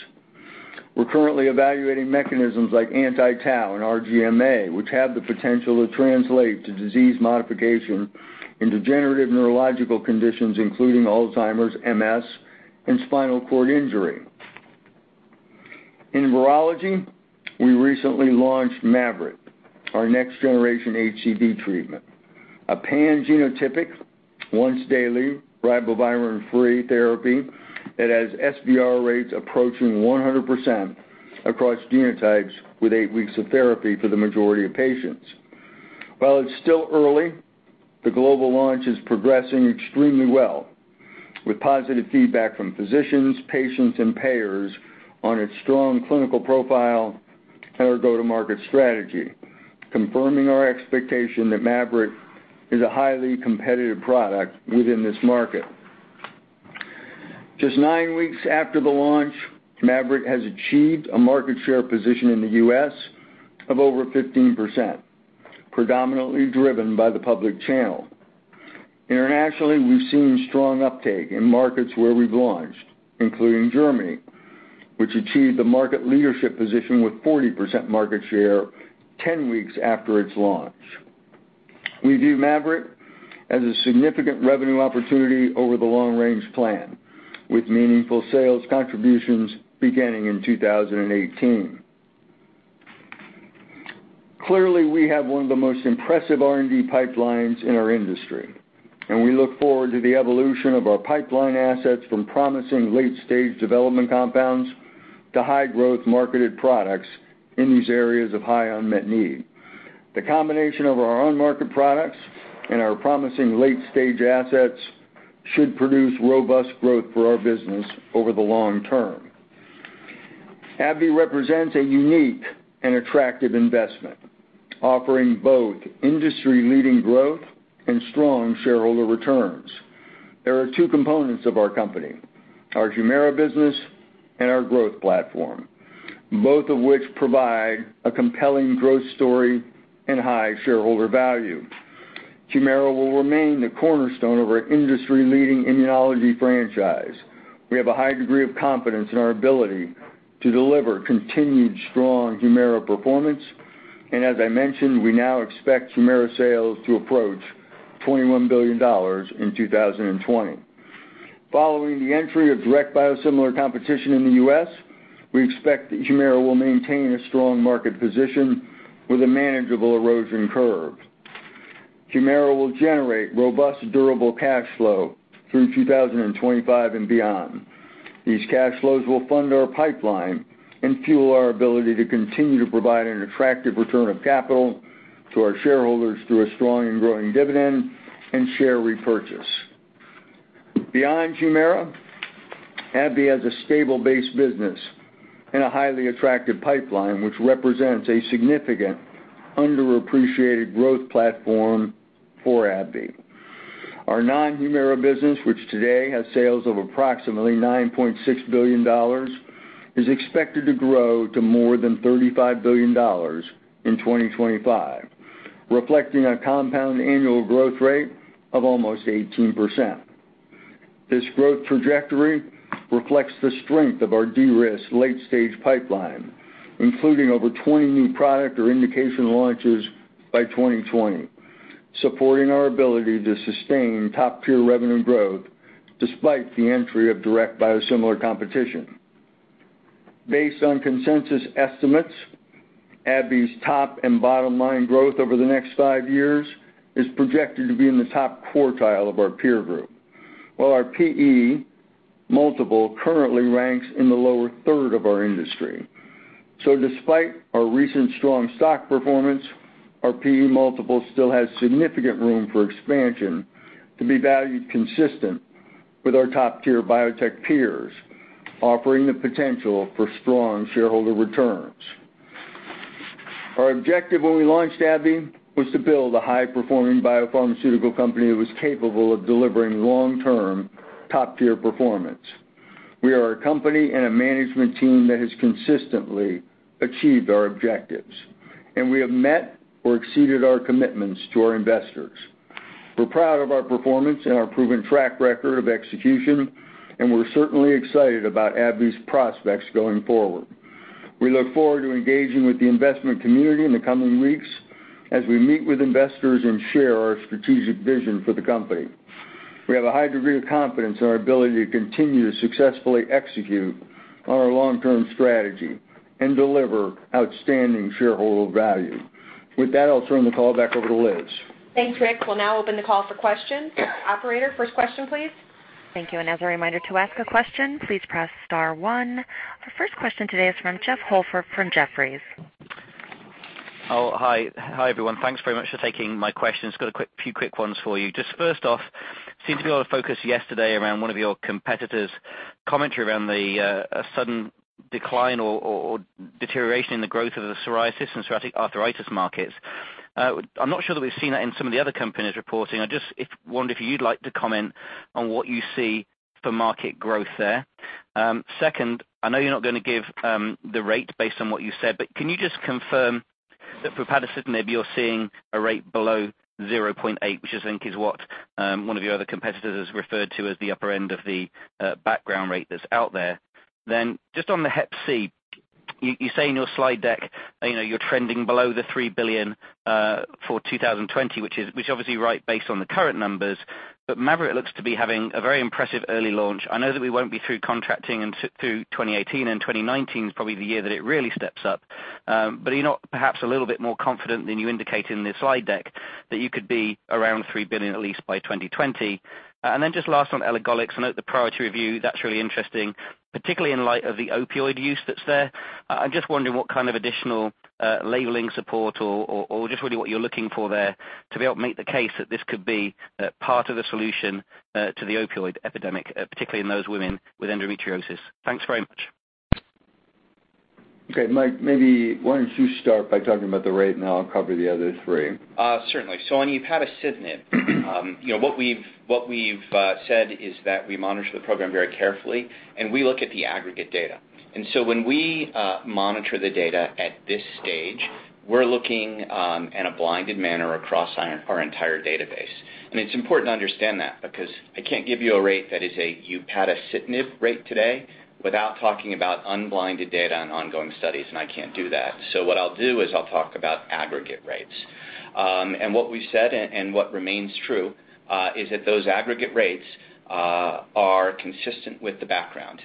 We're currently evaluating mechanisms like Anti-Tau and RGMa, which have the potential to translate to disease modification in degenerative neurological conditions including Alzheimer's, MS, and spinal cord injury. In virology, we recently launched MAVYRET, our next-generation HCV treatment. A pan-genotypic once-daily ribavirin-free therapy that has SVR rates approaching 100% across genotypes with eight weeks of therapy for the majority of patients. While it's still early, the global launch is progressing extremely well, with positive feedback from physicians, patients, and payers on its strong clinical profile and our go-to-market strategy, confirming our expectation that MAVYRET is a highly competitive product within this market. Just nine weeks after the launch, MAVYRET has achieved a market share position in the U.S. of over 15%, predominantly driven by the public channel. Internationally, we've seen strong uptake in markets where we've launched, including Germany, which achieved the market leadership position with 40% market share 10 weeks after its launch. We view MAVYRET as a significant revenue opportunity over the long-range plan, with meaningful sales contributions beginning in 2018. Clearly, we have one of the most impressive R&D pipelines in our industry, and we look forward to the evolution of our pipeline assets from promising late-stage development compounds to high-growth marketed products in these areas of high unmet need. The combination of our own market products and our promising late-stage assets should produce robust growth for our business over the long term. AbbVie represents a unique and attractive investment, offering both industry-leading growth and strong shareholder returns. There are two components of our company, our HUMIRA business and our growth platform, both of which provide a compelling growth story and high shareholder value. HUMIRA will remain the cornerstone of our industry-leading immunology franchise. We have a high degree of confidence in our ability to deliver continued strong HUMIRA performance, and as I mentioned, we now expect HUMIRA sales to approach $21 billion in 2020. Following the entry of direct biosimilar competition in the U.S., we expect that HUMIRA will maintain a strong market position with a manageable erosion curve. HUMIRA will generate robust, durable cash flow through 2025 and beyond. These cash flows will fund our pipeline and fuel our ability to continue to provide an attractive return of capital to our shareholders through a strong and growing dividend and share repurchase. Beyond HUMIRA, AbbVie has a stable base business and a highly attractive pipeline, which represents a significant underappreciated growth platform for AbbVie. Our non-HUMIRA business, which today has sales of approximately $9.6 billion, is expected to grow to more than $35 billion in 2025, reflecting a compound annual growth rate of almost 18%. This growth trajectory reflects the strength of our de-risked late-stage pipeline, including over 20 new product or indication launches by 2020, supporting our ability to sustain top-tier revenue growth despite the entry of direct biosimilar competition. Based on consensus estimates, AbbVie's top and bottom line growth over the next 5 years is projected to be in the top quartile of our peer group, while our P/E multiple currently ranks in the lower third of our industry. Despite our recent strong stock performance, our P/E multiple still has significant room for expansion to be valued consistent with our top-tier biotech peers, offering the potential for strong shareholder returns. Our objective when we launched AbbVie was to build a high-performing biopharmaceutical company that was capable of delivering long-term, top-tier performance. We are a company and a management team that has consistently achieved our objectives, and we have met or exceeded our commitments to our investors. We're proud of our performance and our proven track record of execution, and we're certainly excited about AbbVie's prospects going forward. We look forward to engaging with the investment community in the coming weeks as we meet with investors and share our strategic vision for the company. We have a high degree of confidence in our ability to continue to successfully execute on our long-term strategy and deliver outstanding shareholder value. With that, I'll turn the call back over to Liz. Thanks, Rick. We'll now open the call for questions. Operator, first question, please. Thank you. As a reminder, to ask a question, please press *1. Our first question today is from Jeffrey Holford from Jefferies. Hi, everyone. Thanks very much for taking my questions. Got a few quick ones for you. First off, seemed to be a lot of focus yesterday around one of your competitors' commentary around the sudden decline or deterioration in the growth of the psoriasis and psoriatic arthritis markets. I'm not sure that we've seen that in some of the other companies reporting. I just wonder if you'd like to comment on what you see for market growth there. I know you're not going to give the rate based on what you said, but can you just confirm that for upadacitinib, maybe you're seeing a rate below 0.8, which I think is what one of your other competitors has referred to as the upper end of the background rate that's out there. On the hep C, you say in your slide deck you're trending below the $3 billion for 2020, which obviously you write based on the current numbers. MAVYRET looks to be having a very impressive early launch. I know that we won't be through contracting through 2018, 2019 is probably the year that it really steps up. Are you not perhaps a little bit more confident than you indicate in the slide deck that you could be around $3 billion at least by 2020? Last on elagolix. I note the priority review. That's really interesting, particularly in light of the opioid use that's there. I'm wondering what kind of additional labeling support or really what you're looking for there to be able to make the case that this could be part of the solution to the opioid epidemic, particularly in those women with endometriosis. Thanks very much. Okay, Mike, maybe why don't you start by talking about the rate, and I'll cover the other three. Certainly. On upadacitinib, what we've said is that we monitor the program very carefully, and we look at the aggregate data. When we monitor the data at this stage, we're looking in a blinded manner across our entire database. It's important to understand that, because I can't give you a rate that is an upadacitinib rate today without talking about unblinded data on ongoing studies, and I can't do that. What I'll do is I'll talk about aggregate rates. What we've said and what remains true is that those aggregate rates are consistent with the background.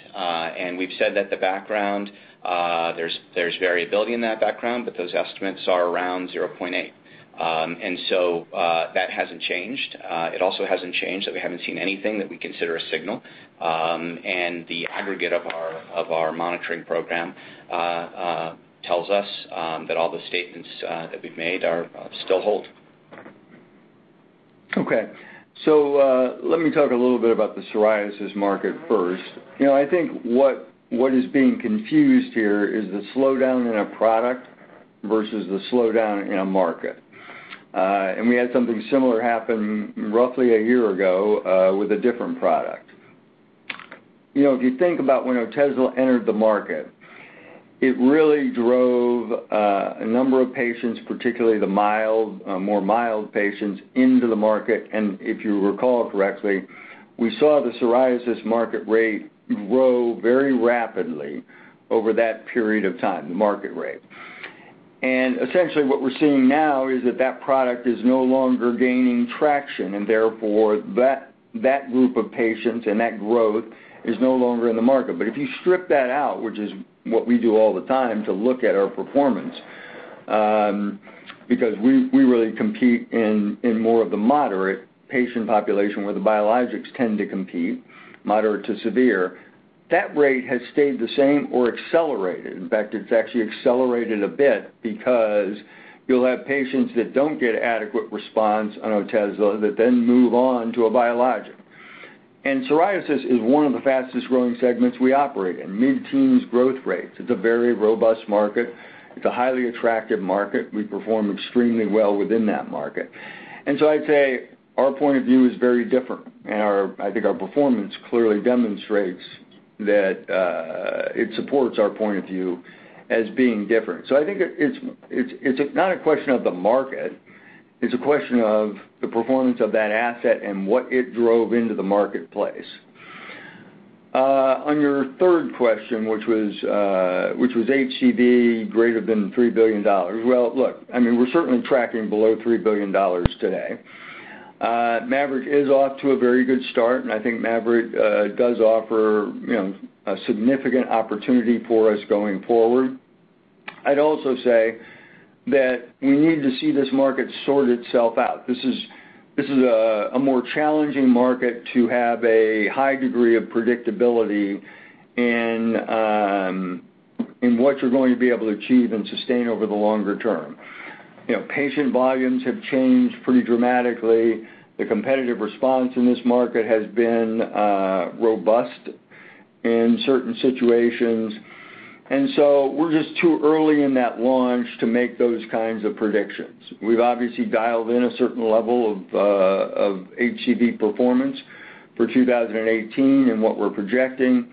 We've said that the background, there's variability in that background, but those estimates are around 0.8. That hasn't changed. It also hasn't changed that we haven't seen anything that we consider a signal. The aggregate of our monitoring program tells us that all the statements that we've made still hold. Okay. Let me talk a little bit about the psoriasis market first. I think what is being confused here is the slowdown in a product versus the slowdown in a market. We had something similar happen roughly a year ago with a different product. If you think about when Otezla entered the market, it really drove a number of patients, particularly the more mild patients, into the market. If you recall correctly, we saw the psoriasis market rate grow very rapidly over that period of time, the market rate. Essentially what we're seeing now is that product is no longer gaining traction, and therefore that group of patients and that growth is no longer in the market. If you strip that out, which is what we do all the time to look at our performance, because we really compete in more of the moderate patient population where the biologics tend to compete, moderate to severe, that rate has stayed the same or accelerated. In fact, it's actually accelerated a bit because you'll have patients that don't get adequate response on Otezla that then move on to a biologic. Psoriasis is one of the fastest-growing segments we operate in, mid-teens growth rates. It's a very robust market. It's a highly attractive market. We perform extremely well within that market. I'd say our point of view is very different, and I think our performance clearly demonstrates that it supports our point of view as being different. I think it's not a question of the market; it's a question of the performance of that asset and what it drove into the marketplace. On your third question, which was HCV greater than $3 billion. Well, look, we're certainly tracking below $3 billion today. MAVYRET is off to a very good start, and I think MAVYRET does offer a significant opportunity for us going forward. I'd also say that we need to see this market sort itself out. This is a more challenging market to have a high degree of predictability in what you're going to be able to achieve and sustain over the longer term. Patient volumes have changed pretty dramatically. The competitive response in this market has been robust in certain situations. We're just too early in that launch to make those kinds of predictions. We've obviously dialed in a certain level of HCV performance for 2018 and what we're projecting.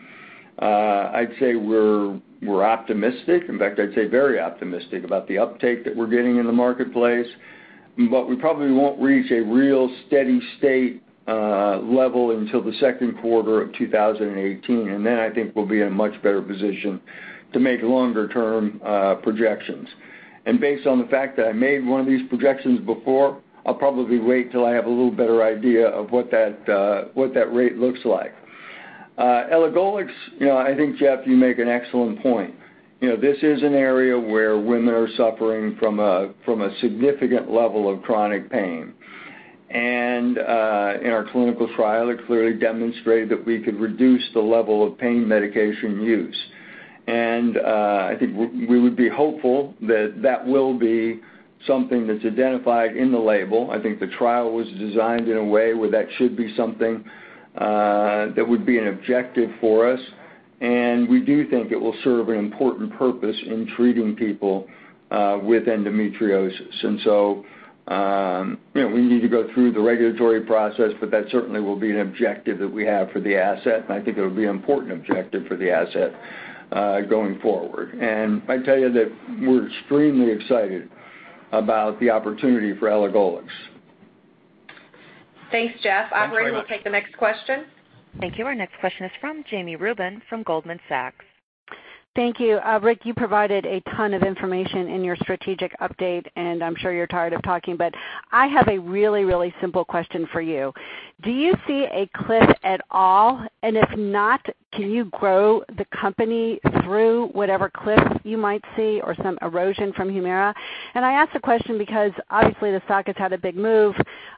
I'd say we're optimistic. In fact, I'd say very optimistic about the uptake that we're getting in the marketplace. We probably won't reach a real steady state level until the second quarter of 2018, then I think we'll be in a much better position to make longer-term projections. Based on the fact that I made one of these projections before, I'll probably wait till I have a little better idea of what that rate looks like. elagolix, I think, Jeff, you make an excellent point. This is an area where women are suffering from a significant level of chronic pain. In our clinical trial, it clearly demonstrated that we could reduce the level of pain medication use. I think we would be hopeful that that will be something that's identified in the label. I think the trial was designed in a way where that should be something that would be an objective for us. We do think it will serve an important purpose in treating people with endometriosis. We need to go through the regulatory process, that certainly will be an objective that we have for the asset. I think it would be an important objective for the asset going forward. I tell you that we're extremely excited about the opportunity for elagolix. Thanks, Jeff. Thanks very much. Operator, we'll take the next question. Thank you. Our next question is from Jami Rubin from Goldman Sachs. Thank you. Rick, you provided a ton of information in your strategic update, I'm sure you're tired of talking, I have a really simple question for you. Do you see a cliff at all? If not, can you grow the company through whatever cliff you might see or some erosion from HUMIRA? I ask the question because obviously the stock has had a big move.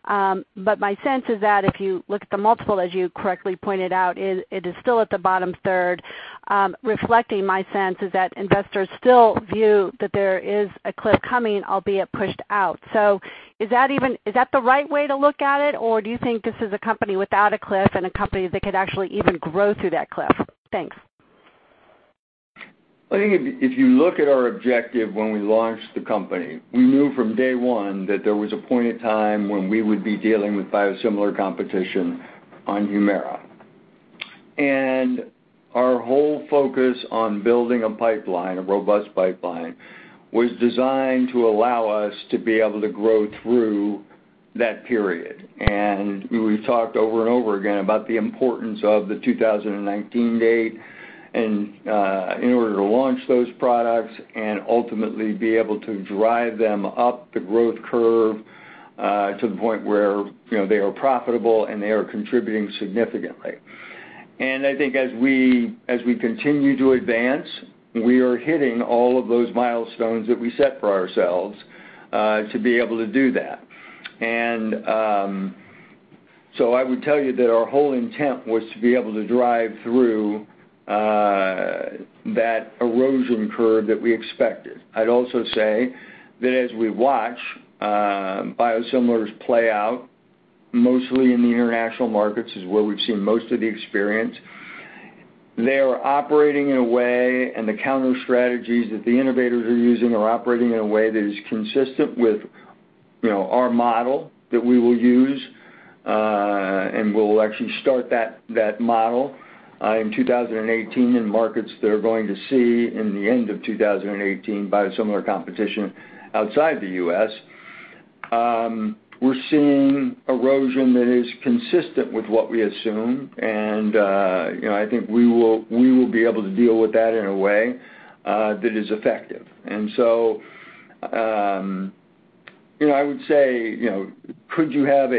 My sense is that if you look at the multiple, as you correctly pointed out, it is still at the bottom third. Reflecting my sense is that investors still view that there is a cliff coming, albeit pushed out. Is that the right way to look at it? Or do you think this is a company without a cliff and a company that could actually even grow through that cliff? Thanks. I think if you look at our objective when we launched the company, we knew from day one that there was a point in time when we would be dealing with biosimilar competition on HUMIRA. Our whole focus on building a pipeline, a robust pipeline, was designed to allow us to be able to grow through that period. We've talked over and over again about the importance of the 2019 date in order to launch those products and ultimately be able to drive them up the growth curve to the point where they are profitable and they are contributing significantly. I think as we continue to advance, we are hitting all of those milestones that we set for ourselves to be able to do that. I would tell you that our whole intent was to be able to drive through that erosion curve that we expected. I'd also say that as we watch biosimilars play out, mostly in the international markets is where we've seen most of the experience, they are operating in a way, the counter strategies that the innovators are using are operating in a way that is consistent with our model that we will use, we'll actually start that model in 2018 in markets that are going to see, in the end of 2018, biosimilar competition outside the U.S. We're seeing erosion that is consistent with what we assume, I think we will be able to deal with that in a way that is effective. I would say, could you have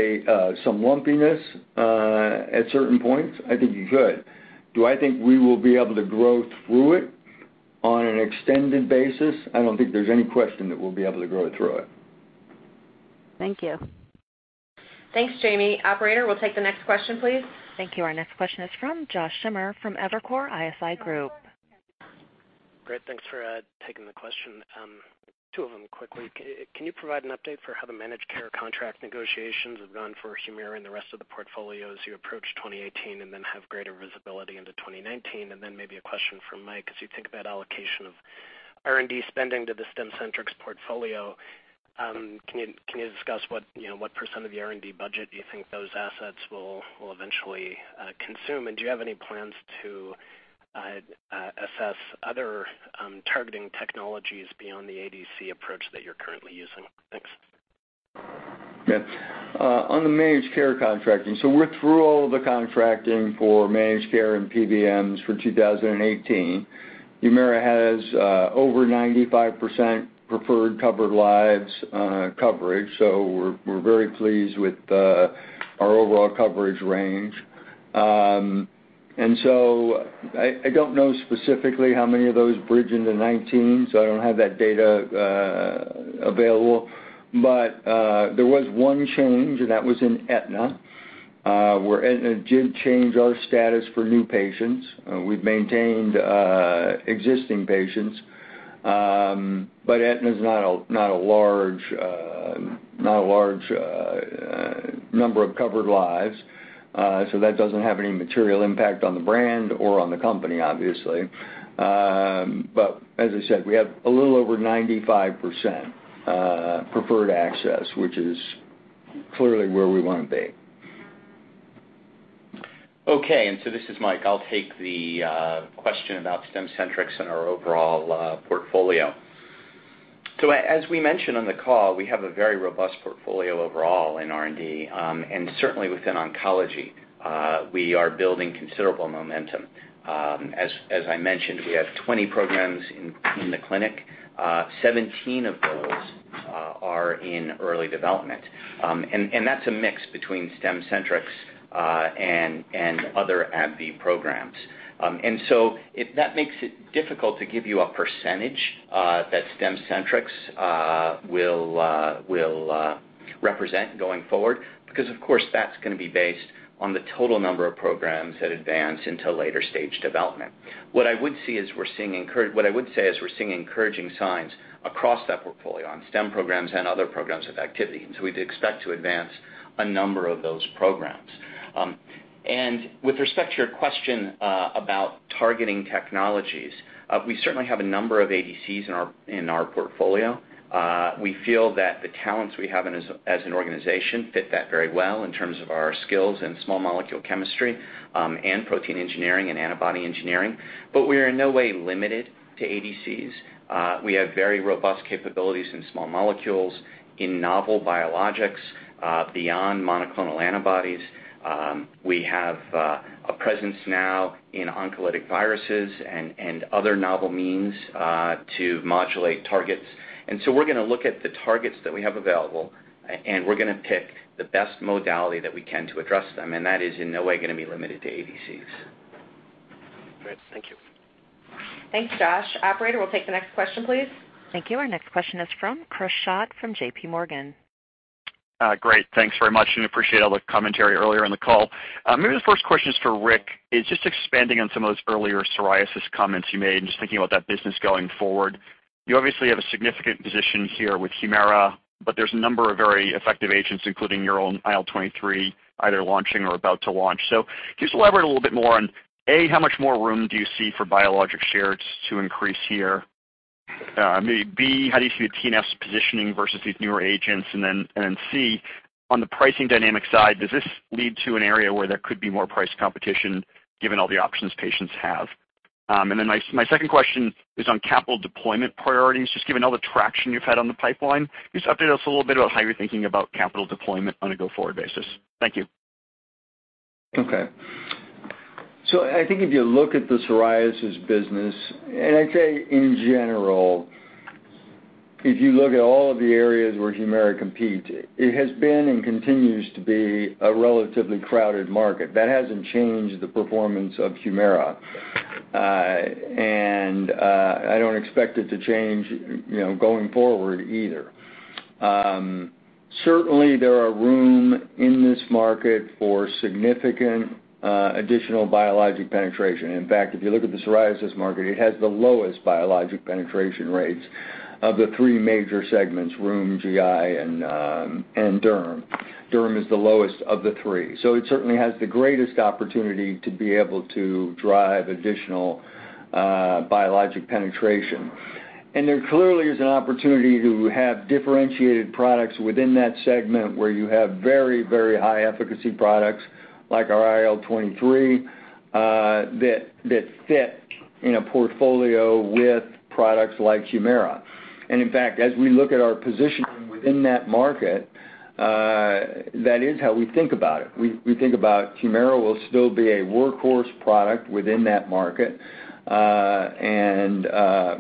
some lumpiness at certain points? I think you could. Do I think we will be able to grow through it on an extended basis? I don't think there's any question that we'll be able to grow through it. Thank you. Thanks, Jami. Operator, we'll take the next question, please. Thank you. Our next question is from Josh Schimmer from Evercore ISI Group. Great. Thanks for taking the question. Two of them quickly. Can you provide an update for how the managed care contract negotiations have gone for HUMIRA and the rest of the portfolio as you approach 2018 and then have greater visibility into 2019? And then maybe a question from Michael, as you think about allocation of R&D spending to the Stemcentrx portfolio, can you discuss what % of the R&D budget do you think those assets will eventually consume? And do you have any plans to assess other targeting technologies beyond the ADC approach that you're currently using? Thanks. Yeah. On the managed care contracting, we're through all the contracting for managed care and PBMs for 2018. HUMIRA has over 95% preferred covered lives coverage, we're very pleased with our overall coverage range. I don't know specifically how many of those bridge into 2019, I don't have that data available. There was one change, and that was in Aetna, where Aetna did change our status for new patients. We've maintained existing patients. Aetna's not a large number of covered lives, that doesn't have any material impact on the brand or on the company, obviously. As I said, we have a little over 95% preferred access, which is clearly where we want to be. Okay, this is Mike. I'll take the question about Stemcentrx and our overall portfolio. As we mentioned on the call, we have a very robust portfolio overall in R&D, and certainly within oncology, we are building considerable momentum. As I mentioned, we have 20 programs in the clinic. 17 of those are in early development, and that's a mix between Stemcentrx and other AbbVie programs. That makes it difficult to give you a percentage that Stemcentrx will represent going forward, because of course, that's going to be based on the total number of programs that advance into later stage development. What I would say is we're seeing encouraging signs across that portfolio on stem programs and other programs with activity, we'd expect to advance a number of those programs. With respect to your question about targeting technologies, we certainly have a number of ADCs in our portfolio. We feel that the talents we have as an organization fit that very well in terms of our skills in small molecule chemistry and protein engineering and antibody engineering, but we are in no way limited to ADCs. We have very robust capabilities in small molecules, in novel biologics beyond monoclonal antibodies. We have a presence now in oncolytic viruses and other novel means to modulate targets. We're going to look at the targets that we have available, and we're going to pick the best modality that we can to address them, and that is in no way going to be limited to ADCs. Great. Thank you. Thanks, Josh. Operator, we'll take the next question, please. Thank you. Our next question is from Chris Schott from J.P. Morgan. Great. Thanks very much. Appreciate all the commentary earlier in the call. Maybe the first question is for Rick, is just expanding on some of those earlier psoriasis comments you made and just thinking about that business going forward. You obviously have a significant position here with HUMIRA, but there's a number of very effective agents, including your own IL 23, either launching or about to launch. Can you just elaborate a little bit more on, A, how much more room do you see for biologic shares to increase here? B, how do you see the TNF's positioning versus these newer agents? C, on the pricing dynamic side, does this lead to an area where there could be more price competition given all the options patients have? My second question is on capital deployment priorities. Just given all the traction you've had on the pipeline, just update us a little bit about how you're thinking about capital deployment on a go-forward basis. Thank you. I think if you look at the psoriasis business, I'd say in general, if you look at all of the areas where HUMIRA compete, it has been and continues to be a relatively crowded market. That hasn't changed the performance of HUMIRA. I don't expect it to change going forward either. Certainly, there are room in this market for significant additional biologic penetration. In fact, if you look at the psoriasis market, it has the lowest biologic penetration rates of the three major segments, rheum, GI, and derm. Derm is the lowest of the three. It certainly has the greatest opportunity to be able to drive additional biologic penetration. There clearly is an opportunity to have differentiated products within that segment where you have very high efficacy products like our IL 23, that fit in a portfolio with products like HUMIRA. In fact, as we look at our positioning within that market, that is how we think about it. We think about HUMIRA will still be a workhorse product within that market, and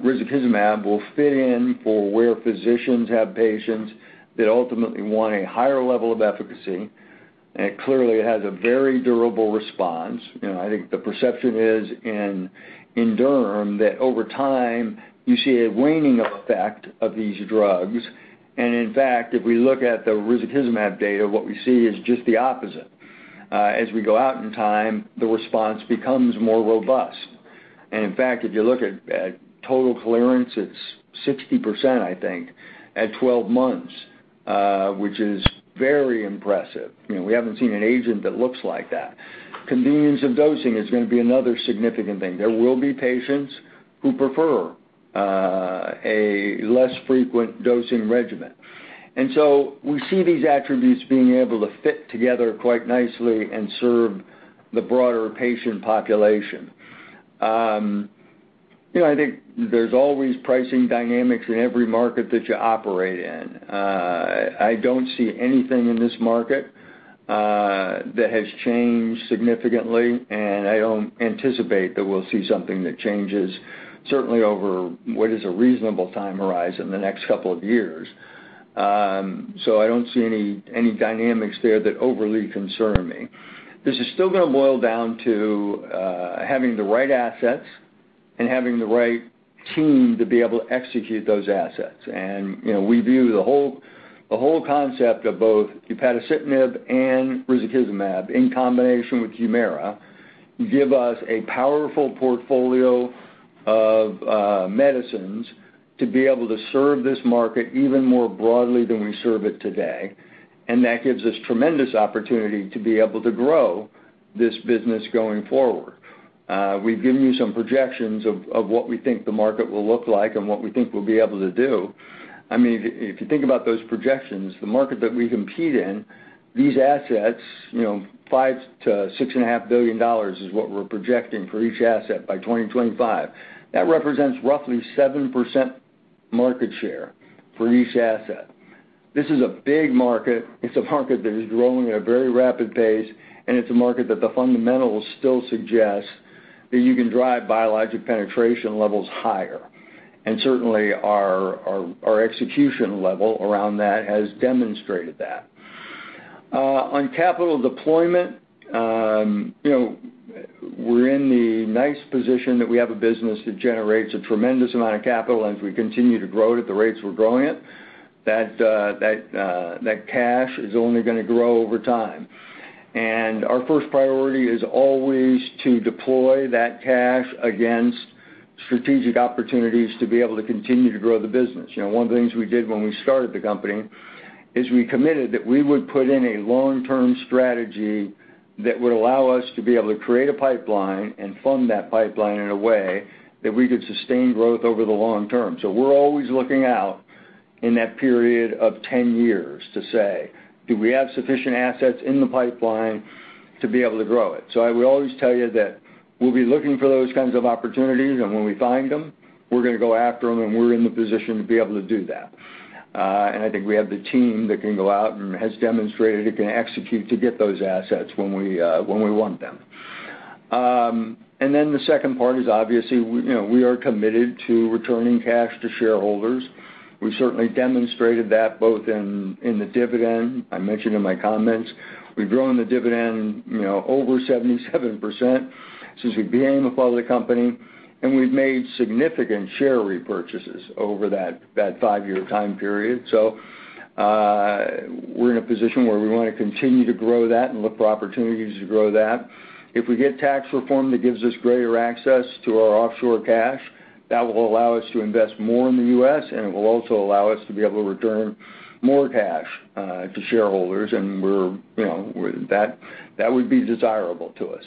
risankizumab will fit in for where physicians have patients that ultimately want a higher level of efficacy. It clearly has a very durable response. I think the perception is in derm that over time, you see a waning effect of these drugs. In fact, if we look at the risankizumab data, what we see is just the opposite. As we go out in time, the response becomes more robust. In fact, if you look at total clearance, it's 60%, I think, at 12 months, which is very impressive. We haven't seen an agent that looks like that. Convenience of dosing is going to be another significant thing. There will be patients who prefer a less frequent dosing regimen. We see these attributes being able to fit together quite nicely and serve the broader patient population. I think there's always pricing dynamics in every market that you operate in. I don't see anything in this market that has changed significantly, and I don't anticipate that we'll see something that changes, certainly over what is a reasonable time horizon the next couple of years. I don't see any dynamics there that overly concern me. This is still going to boil down to having the right assets and having the right team to be able to execute those assets. We view the whole concept of both upadacitinib and risankizumab in combination with HUMIRA give us a powerful portfolio of medicines to be able to serve this market even more broadly than we serve it today. That gives us tremendous opportunity to be able to grow this business going forward. We've given you some projections of what we think the market will look like and what we think we'll be able to do. If you think about those projections, the market that we compete in, these assets, $5 billion to $6.5 billion is what we're projecting for each asset by 2025. That represents roughly 7% market share for each asset. This is a big market. It's a market that is growing at a very rapid pace, and it's a market that the fundamentals still suggest that you can drive biologic penetration levels higher. Certainly, our execution level around that has demonstrated that. On capital deployment, we're in the nice position that we have a business that generates a tremendous amount of capital, as we continue to grow it at the rates we're growing it, that cash is only going to grow over time. Our first priority is always to deploy that cash against strategic opportunities to be able to continue to grow the business. One of the things we did when we started the company is we committed that we would put in a long-term strategy that would allow us to be able to create a pipeline and fund that pipeline in a way that we could sustain growth over the long term. We're always looking out in that period of 10 years to say, "Do we have sufficient assets in the pipeline to be able to grow it?" I will always tell you that we'll be looking for those kinds of opportunities, and when we find them, we're going to go after them, and we're in the position to be able to do that. I think we have the team that can go out and has demonstrated it can execute to get those assets when we want them. The second part is obviously, we are committed to returning cash to shareholders. We've certainly demonstrated that both in the dividend. I mentioned in my comments, we've grown the dividend over 77% since we became a public company, and we've made significant share repurchases over that five-year time period. We're in a position where we want to continue to grow that and look for opportunities to grow that. If we get tax reform that gives us greater access to our offshore cash, that will allow us to invest more in the U.S., and it will also allow us to be able to return more cash to shareholders, and that would be desirable to us.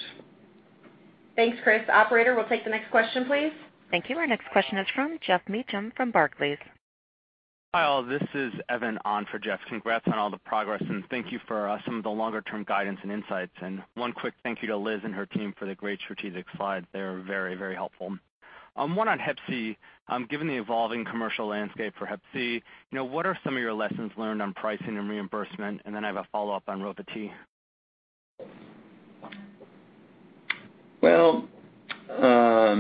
Thanks, Chris. Operator, we'll take the next question, please. Thank you. Our next question is from Geoff Meacham from Barclays. Hi, all. This is Evan on for Geoff. Congrats on all the progress, thank you for some of the longer-term guidance and insights. One quick thank you to Liz and her team for the great strategic slide. They're very, very helpful. One on hep C. Given the evolving commercial landscape for hep C, what are some of your lessons learned on pricing and reimbursement? I have a follow-up on Rova-T. Well, I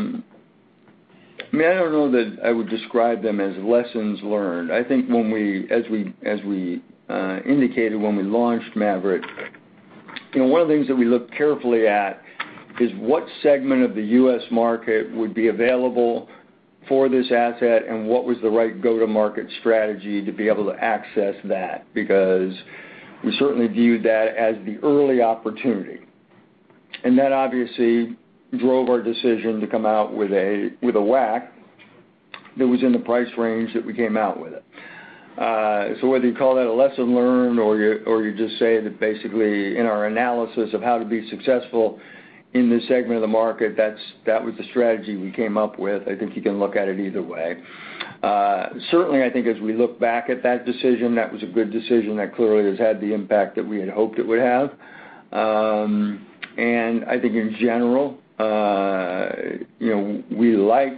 don't know that I would describe them as lessons learned. I think as we indicated when we launched MAVYRET, one of the things that we looked carefully at is what segment of the U.S. market would be available for this asset and what was the right go-to-market strategy to be able to access that, because we certainly viewed that as the early opportunity. That obviously drove our decision to come out with a WAC that was in the price range that we came out with it. Whether you call that a lesson learned or you just say that basically in our analysis of how to be successful in this segment of the market, that was the strategy we came up with, I think you can look at it either way. Certainly, I think as we look back at that decision, that was a good decision that clearly has had the impact that we had hoped it would have. I think in general, we like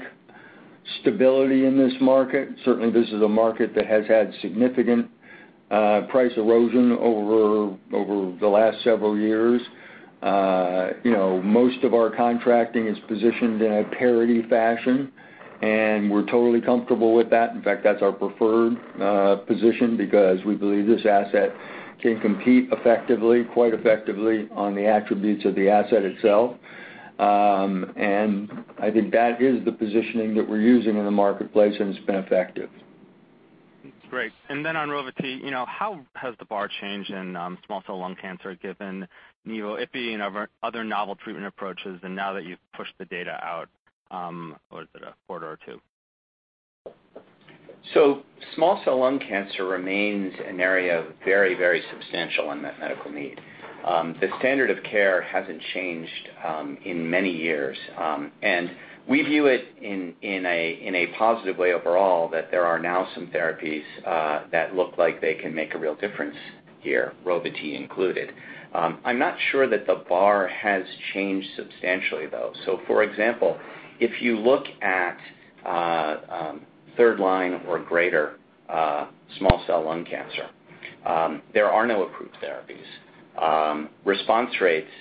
stability in this market. Certainly, this is a market that has had significant price erosion over the last several years. Most of our contracting is positioned in a parity fashion, we're totally comfortable with that. In fact, that's our preferred position because we believe this asset can compete effectively, quite effectively, on the attributes of the asset itself. I think that is the positioning that we're using in the marketplace, it's been effective. Great. Then on Rova-T, how has the bar changed in small cell lung cancer given nivolumab, ipilimumab and other novel treatment approaches and now that you've pushed the data out, or is it a quarter or two? Small cell lung cancer remains an area of very substantial unmet medical need. The standard of care hasn't changed in many years, and we view it in a positive way overall that there are now some therapies that look like they can make a real difference here, Rova-T included. I'm not sure that the bar has changed substantially, though. For example, if you look at third line or greater small cell lung cancer, there are no approved therapies. Response rates,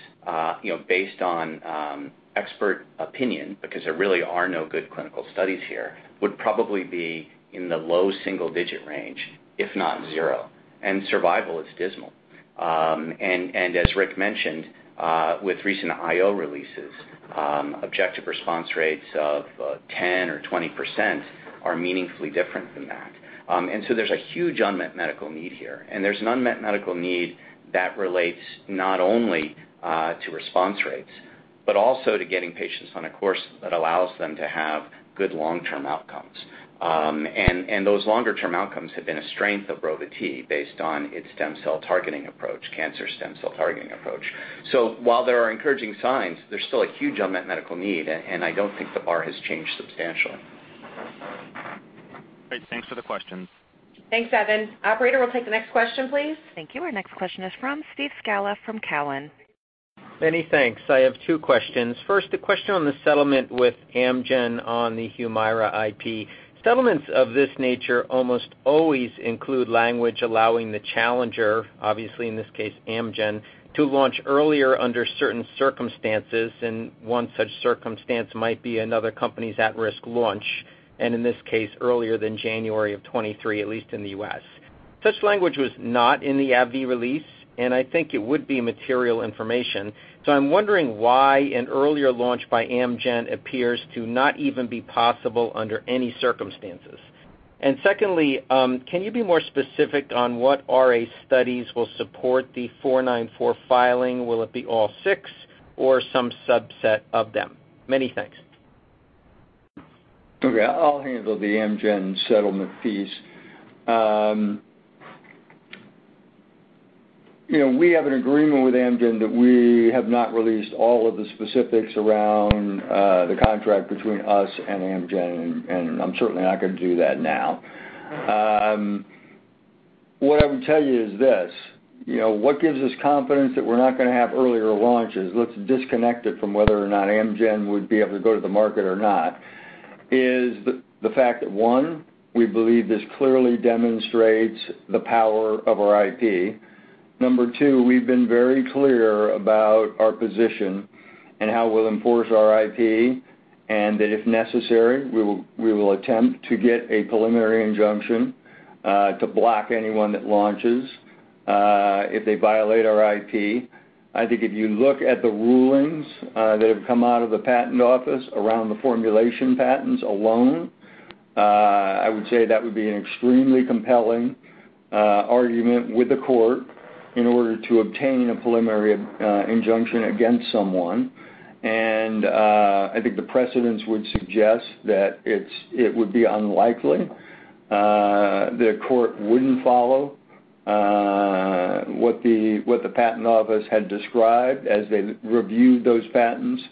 based on expert opinion, because there really are no good clinical studies here, would probably be in the low single-digit range, if not zero, and survival is dismal. As Rick mentioned, with recent IO releases, objective response rates of 10% or 20% are meaningfully different than that. There's a huge unmet medical need here, and there's an unmet medical need that relates not only to response rates, but also to getting patients on a course that allows them to have good long-term outcomes. Those longer-term outcomes have been a strength of Rova-T based on its stem cell targeting approach, cancer stem cell targeting approach. While there are encouraging signs, there's still a huge unmet medical need, and I don't think the bar has changed substantially. Great. Thanks for the questions. Thanks, Evan. Operator, we'll take the next question, please. Thank you. Our next question is from Steve Scala from Cowen. Many thanks. I have two questions. First, a question on the settlement with Amgen on the HUMIRA IP. Settlements of this nature almost always include language allowing the challenger, obviously in this case, Amgen, to launch earlier under certain circumstances, and one such circumstance might be another company's at-risk launch, and in this case, earlier than January of 2023, at least in the U.S. Such language was not in the AbbVie release, and I think it would be material information. I'm wondering why an earlier launch by Amgen appears to not even be possible under any circumstances. Secondly, can you be more specific on what RA studies will support the 494 filing? Will it be all six or some subset of them? Many thanks. Okay. I'll handle the Amgen settlement piece. We have an agreement with Amgen that we have not released all of the specifics around the contract between us and Amgen, and I'm certainly not going to do that now. What I would tell you is this, what gives us confidence that we're not going to have earlier launches, let's disconnect it from whether or not Amgen would be able to go to the market or not, is the fact that, 1, we believe this clearly demonstrates the power of our IP. Number 2, we've been very clear about our position and how we'll enforce our IP, and that if necessary, we will attempt to get a preliminary injunction to block anyone that launches if they violate our IP. I think if you look at the rulings that have come out of the patent office around the formulation patents alone, I would say that would be an extremely compelling argument with the court in order to obtain a preliminary injunction against someone. I think the precedents would suggest that it would be unlikely the court wouldn't follow what the patent office had described as they reviewed those patents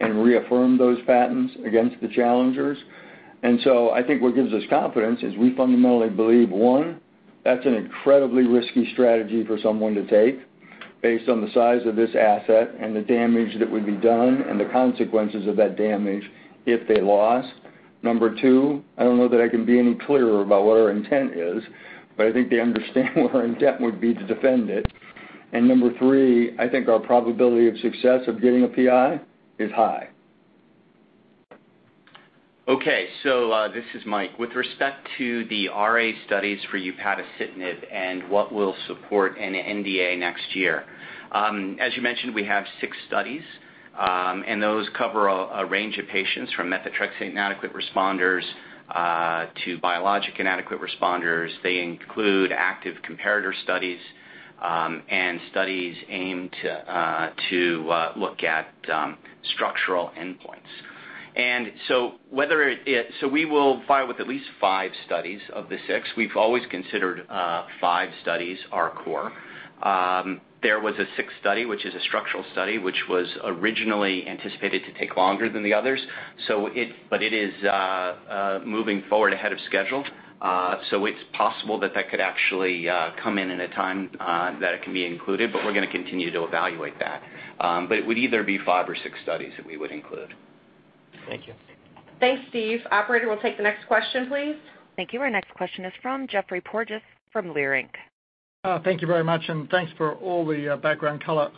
and reaffirmed those patents against the challengers. I think what gives us confidence is we fundamentally believe, one, that's an incredibly risky strategy for someone to take based on the size of this asset and the damage that would be done and the consequences of that damage if they lost. Number two, I don't know that I can be any clearer about what our intent is, but I think they understand what our intent would be to defend it. Number three, I think our probability of success of getting a PI is high. Okay. This is Mike. With respect to the RA studies for upadacitinib and what will support an NDA next year. As you mentioned, we have six studies, and those cover a range of patients from methotrexate inadequate responders, to biologic inadequate responders. They include active comparator studies, and studies aimed to look at structural endpoints. We will file with at least five studies of the six. We've always considered five studies our core. There was a sixth study, which is a structural study, which was originally anticipated to take longer than the others. It is moving forward ahead of schedule. It's possible that that could actually come in a time that it can be included, but we're going to continue to evaluate that. It would either be five or six studies that we would include. Thank you. Thanks, Steve. Operator, we'll take the next question, please. Thank you. Our next question is from Geoffrey Porges from Leerink Partners. Thank you very much, and thanks for all the background color.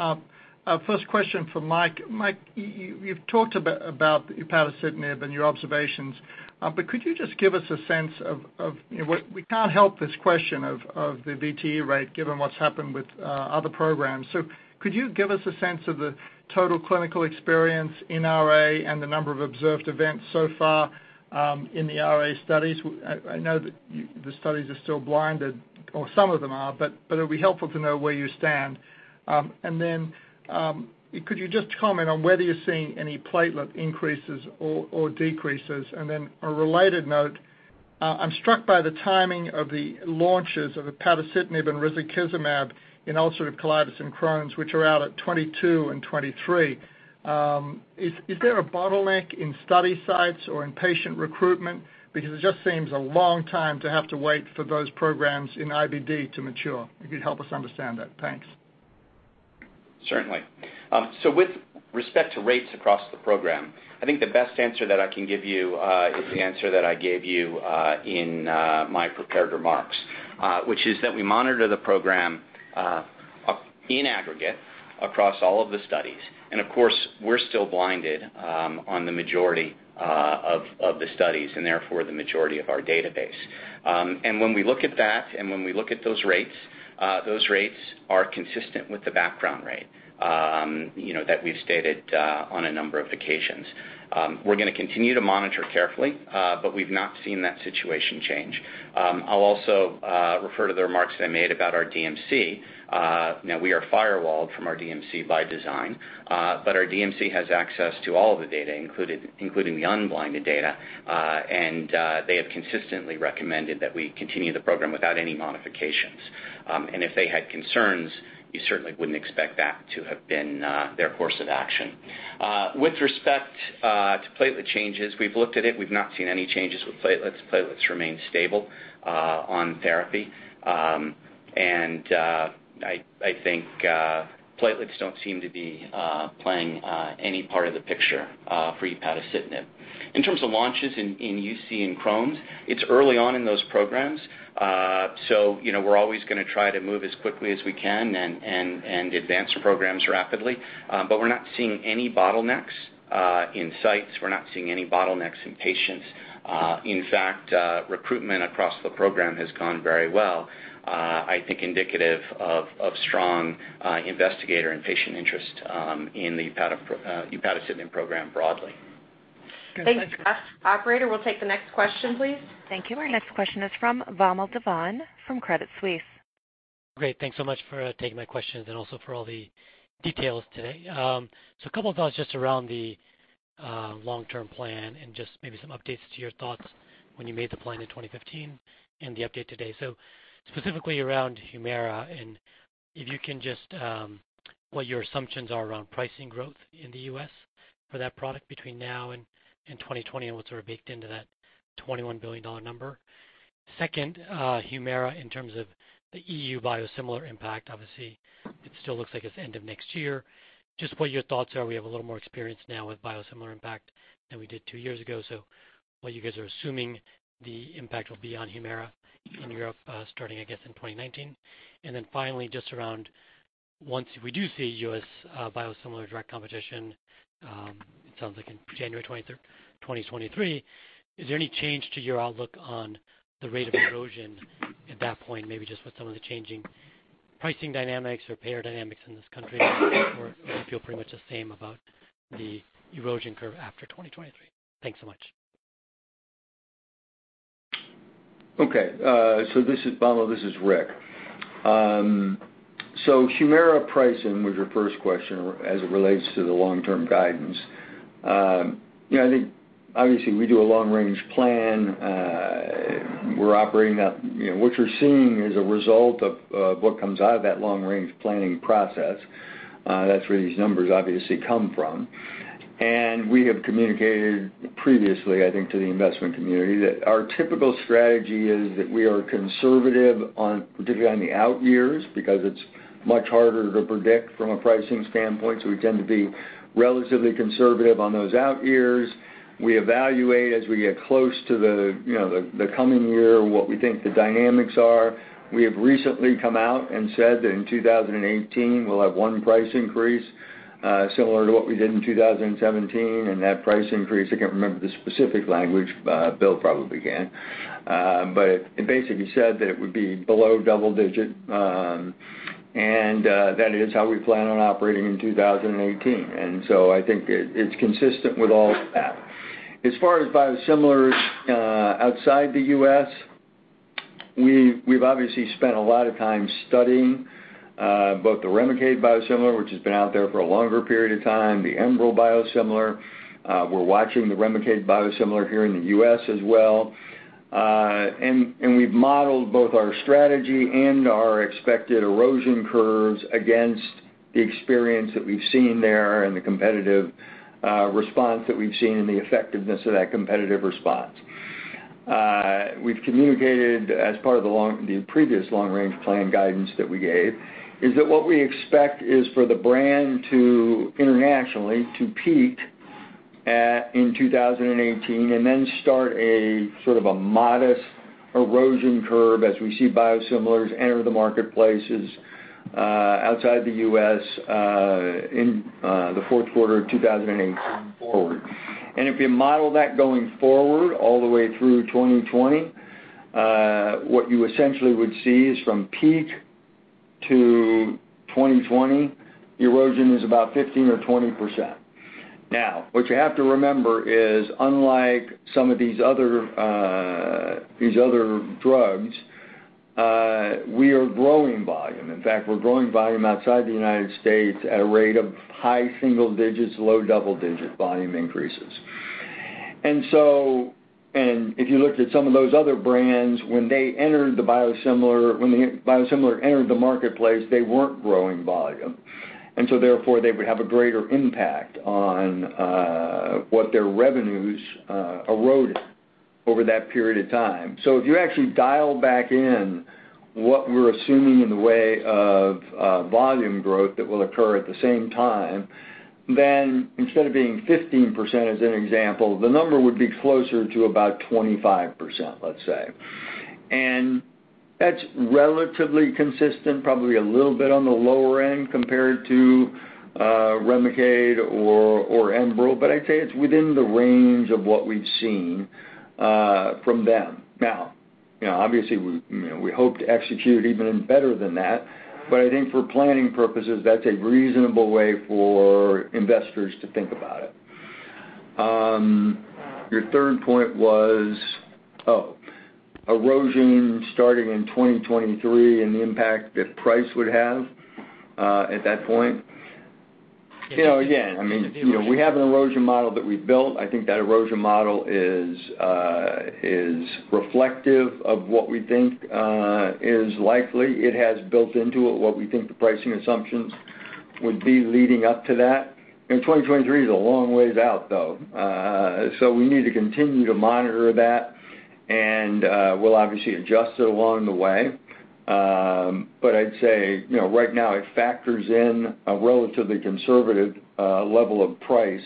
First question for Mike. Mike, you've talked about upadacitinib and your observations, could you just give us a sense of We can't help this question of the VTE rate given what's happened with other programs. Could you give us a sense of the total clinical experience in RA and the number of observed events so far, in the RA studies? I know that the studies are still blinded, or some of them are, it'll be helpful to know where you stand. Could you just comment on whether you're seeing any platelet increases or decreases? A related note, I'm struck by the timing of the launches of upadacitinib and risankizumab in ulcerative colitis and Crohn's, which are out at 2022 and 2023. Is there a bottleneck in study sites or in patient recruitment? It just seems a long time to have to wait for those programs in IBD to mature. If you'd help us understand that. Thanks. Certainly. With respect to rates across the program, I think the best answer that I can give you is the answer that I gave you in my prepared remarks, which is that we monitor the program in aggregate across all of the studies. Of course, we're still blinded on the majority of the studies, and therefore the majority of our database. When we look at that and when we look at those rates, those rates are consistent with the background rate that we've stated on a number of occasions. We're going to continue to monitor carefully, we've not seen that situation change. I'll also refer to the remarks I made about our DMC. Now we are firewalled from our DMC by design. Our DMC has access to all of the data, including the unblinded data. They have consistently recommended that we continue the program without any modifications. If they had concerns, you certainly wouldn't expect that to have been their course of action. With respect to platelet changes, we've looked at it. We've not seen any changes with platelets. Platelets remain stable on therapy. I think platelets don't seem to be playing any part of the picture for upadacitinib. In terms of launches in UC and Crohn's, it's early on in those programs. We're always going to try to move as quickly as we can and advance programs rapidly. We're not seeing any bottlenecks in sites. We're not seeing any bottlenecks in patients. In fact, recruitment across the program has gone very well. I think indicative of strong investigator and patient interest in the upadacitinib program broadly. Good. Thank you. Thanks. Operator, we'll take the next question, please. Thank you. Our next question is from Vamil Divan from Credit Suisse. Great. Thanks so much for taking my questions and also for all the details today. A couple of thoughts just around the long-term plan and just maybe some updates to your thoughts when you made the plan in 2015 and the update today. Specifically around HUMIRA and if you can just, what your assumptions are around pricing growth in the U.S. for that product between now and 2020 and what's sort of baked into that $21 billion number. Second, HUMIRA in terms of the EU biosimilar impact. Obviously, it still looks like it's end of next year. Just what your thoughts are. We have a little more experience now with biosimilar impact than we did 2 years ago. What you guys are assuming the impact will be on HUMIRA in Europe starting, I guess, in 2019. Finally, just around once we do see U.S. biosimilar direct competition, it sounds like in January 2023, is there any change to your outlook on the rate of erosion at that point? Maybe just with some of the changing pricing dynamics or payer dynamics in this country, or you feel pretty much the same about the erosion curve after 2023. Thanks so much. Okay. Vamil, this is Rick. HUMIRA pricing was your first question as it relates to the long-term guidance. I think obviously we do a long-range plan. What you're seeing is a result of what comes out of that long-range planning process. That's where these numbers obviously come from. We have communicated previously, I think, to the investment community that our typical strategy is that we are conservative on particularly on the out years, because it's much harder to predict from a pricing standpoint. We tend to be relatively conservative on those out years. We evaluate as we get close to the coming year, what we think the dynamics are. We have recently come out and said that in 2018 we'll have one price increase, similar to what we did in 2017, and that price increase, I can't remember the specific language, Bill probably can. It basically said that it would be below double digit, and that is how we plan on operating in 2018. I think it's consistent with all of that. As far as biosimilars outside the U.S., we've obviously spent a lot of time studying both the REMICADE biosimilar, which has been out there for a longer period of time, the ENBREL biosimilar. We're watching the REMICADE biosimilar here in the U.S. as well. We've modeled both our strategy and our expected erosion curves against the experience that we've seen there and the competitive response that we've seen, and the effectiveness of that competitive response. We've communicated as part of the previous long-range plan guidance that we gave, is that what we expect is for the brand internationally to peak in 2018 and then start a sort of a modest erosion curve as we see biosimilars enter the marketplaces outside the U.S. in the fourth quarter of 2018 forward. If you model that going forward all the way through 2020, what you essentially would see is from peak to 2020, the erosion is about 15% or 20%. What you have to remember is, unlike some of these other drugs, we are growing volume. In fact, we're growing volume outside the United States at a rate of high single digits, low double-digit volume increases. If you looked at some of those other brands, when the biosimilar entered the marketplace, they weren't growing volume, and so therefore they would have a greater impact on what their revenues eroded over that period of time. If you actually dial back in what we're assuming in the way of volume growth that will occur at the same time, then instead of being 15% as an example, the number would be closer to about 25%, let's say. That's relatively consistent, probably a little bit on the lower end compared to REMICADE or ENBREL, but I'd say it's within the range of what we've seen from them. Obviously we hope to execute even better than that, but I think for planning purposes, that's a reasonable way for investors to think about it. Your third point was, oh, erosion starting in 2023 and the impact that price would have at that point. Again, we have an erosion model that we've built. I think that erosion model is reflective of what we think is likely. It has built into it what we think the pricing assumptions would be leading up to that. 2023 is a long ways out, though. We need to continue to monitor that, and we'll obviously adjust it along the way. I'd say right now it factors in a relatively conservative level of price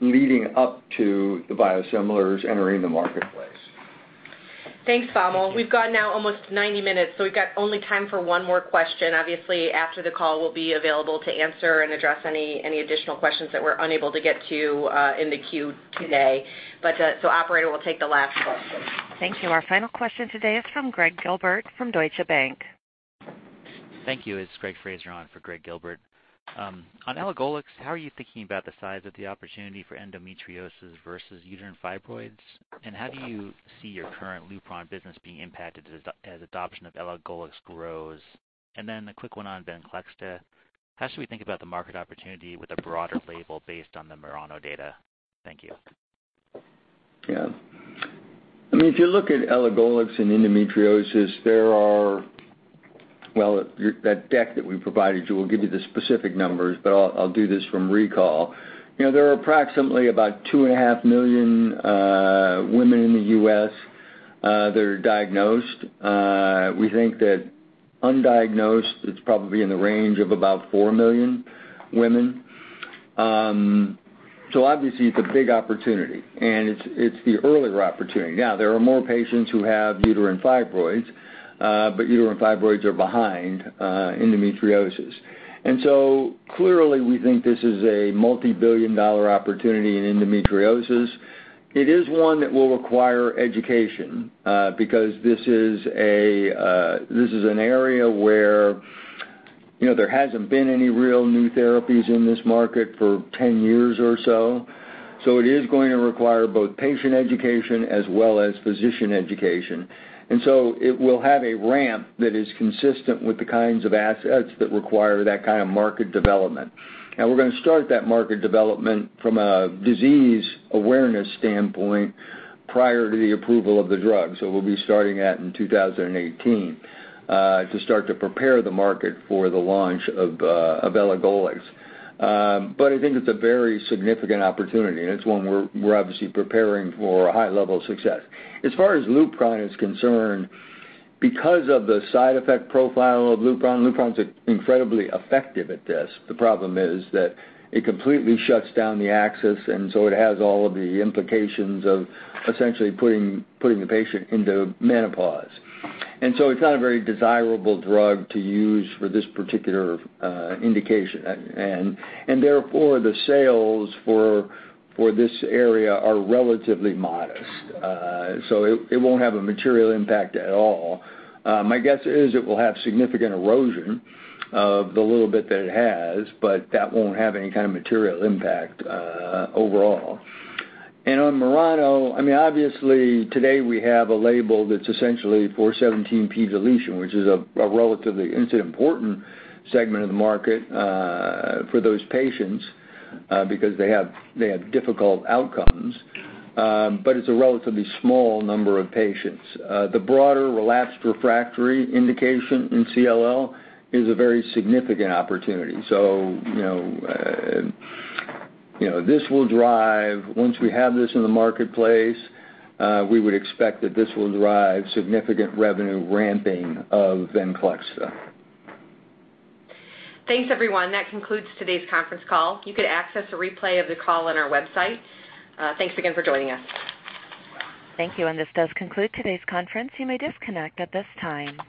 leading up to the biosimilars entering the marketplace. Thanks, Vamil. We've got now almost 90 minutes, so we've got only time for one more question. Obviously, after the call, we'll be available to answer and address any additional questions that we're unable to get to in the queue today. Operator, we'll take the last question. Thank you. Our final question today is from Gregg Gilbert from Deutsche Bank. Thank you. It's Greg Fraser on for Gregg Gilbert. On elagolix, how are you thinking about the size of the opportunity for endometriosis versus uterine fibroids? How do you see your current Lupron business being impacted as adoption of elagolix grows? A quick one on VENCLEXTA. How should we think about the market opportunity with a broader label based on the MURANO data? Thank you. If you look at elagolix and endometriosis, that deck that we provided you will give you the specific numbers, but I'll do this from recall. There are approximately about 2.5 million women in the U.S. that are diagnosed. We think that undiagnosed, it's probably in the range of about 4 million women. Obviously it's a big opportunity, and it's the earlier opportunity. There are more patients who have uterine fibroids, but uterine fibroids are behind endometriosis. Clearly we think this is a multi-billion dollar opportunity in endometriosis. It is one that will require education, because this is an area where there hasn't been any real new therapies in this market for 10 years or so. It is going to require both patient education as well as physician education. It will have a ramp that is consistent with the kinds of assets that require that kind of market development. We're going to start that market development from a disease awareness standpoint prior to the approval of the drug, so we'll be starting that in 2018, to start to prepare the market for the launch of elagolix. I think it's a very significant opportunity, and it's one we're obviously preparing for a high level of success. As far as Lupron is concerned, because of the side effect profile of Lupron's incredibly effective at this. The problem is that it completely shuts down the axis, and so it has all of the implications of essentially putting the patient into menopause. It's not a very desirable drug to use for this particular indication. Therefore, the sales for this area are relatively modest. It won't have a material impact at all. My guess is it will have significant erosion of the little bit that it has, but that won't have any kind of material impact overall. On MURANO, obviously, today we have a label that's essentially for 17p deletion, which it's an important segment of the market for those patients, because they have difficult outcomes. But it's a relatively small number of patients. The broader relapsed refractory indication in CLL is a very significant opportunity. Once we have this in the marketplace, we would expect that this will drive significant revenue ramping of VENCLEXTA. Thanks, everyone. That concludes today's conference call. You could access a replay of the call on our website. Thanks again for joining us. Thank you. This does conclude today's conference. You may disconnect at this time.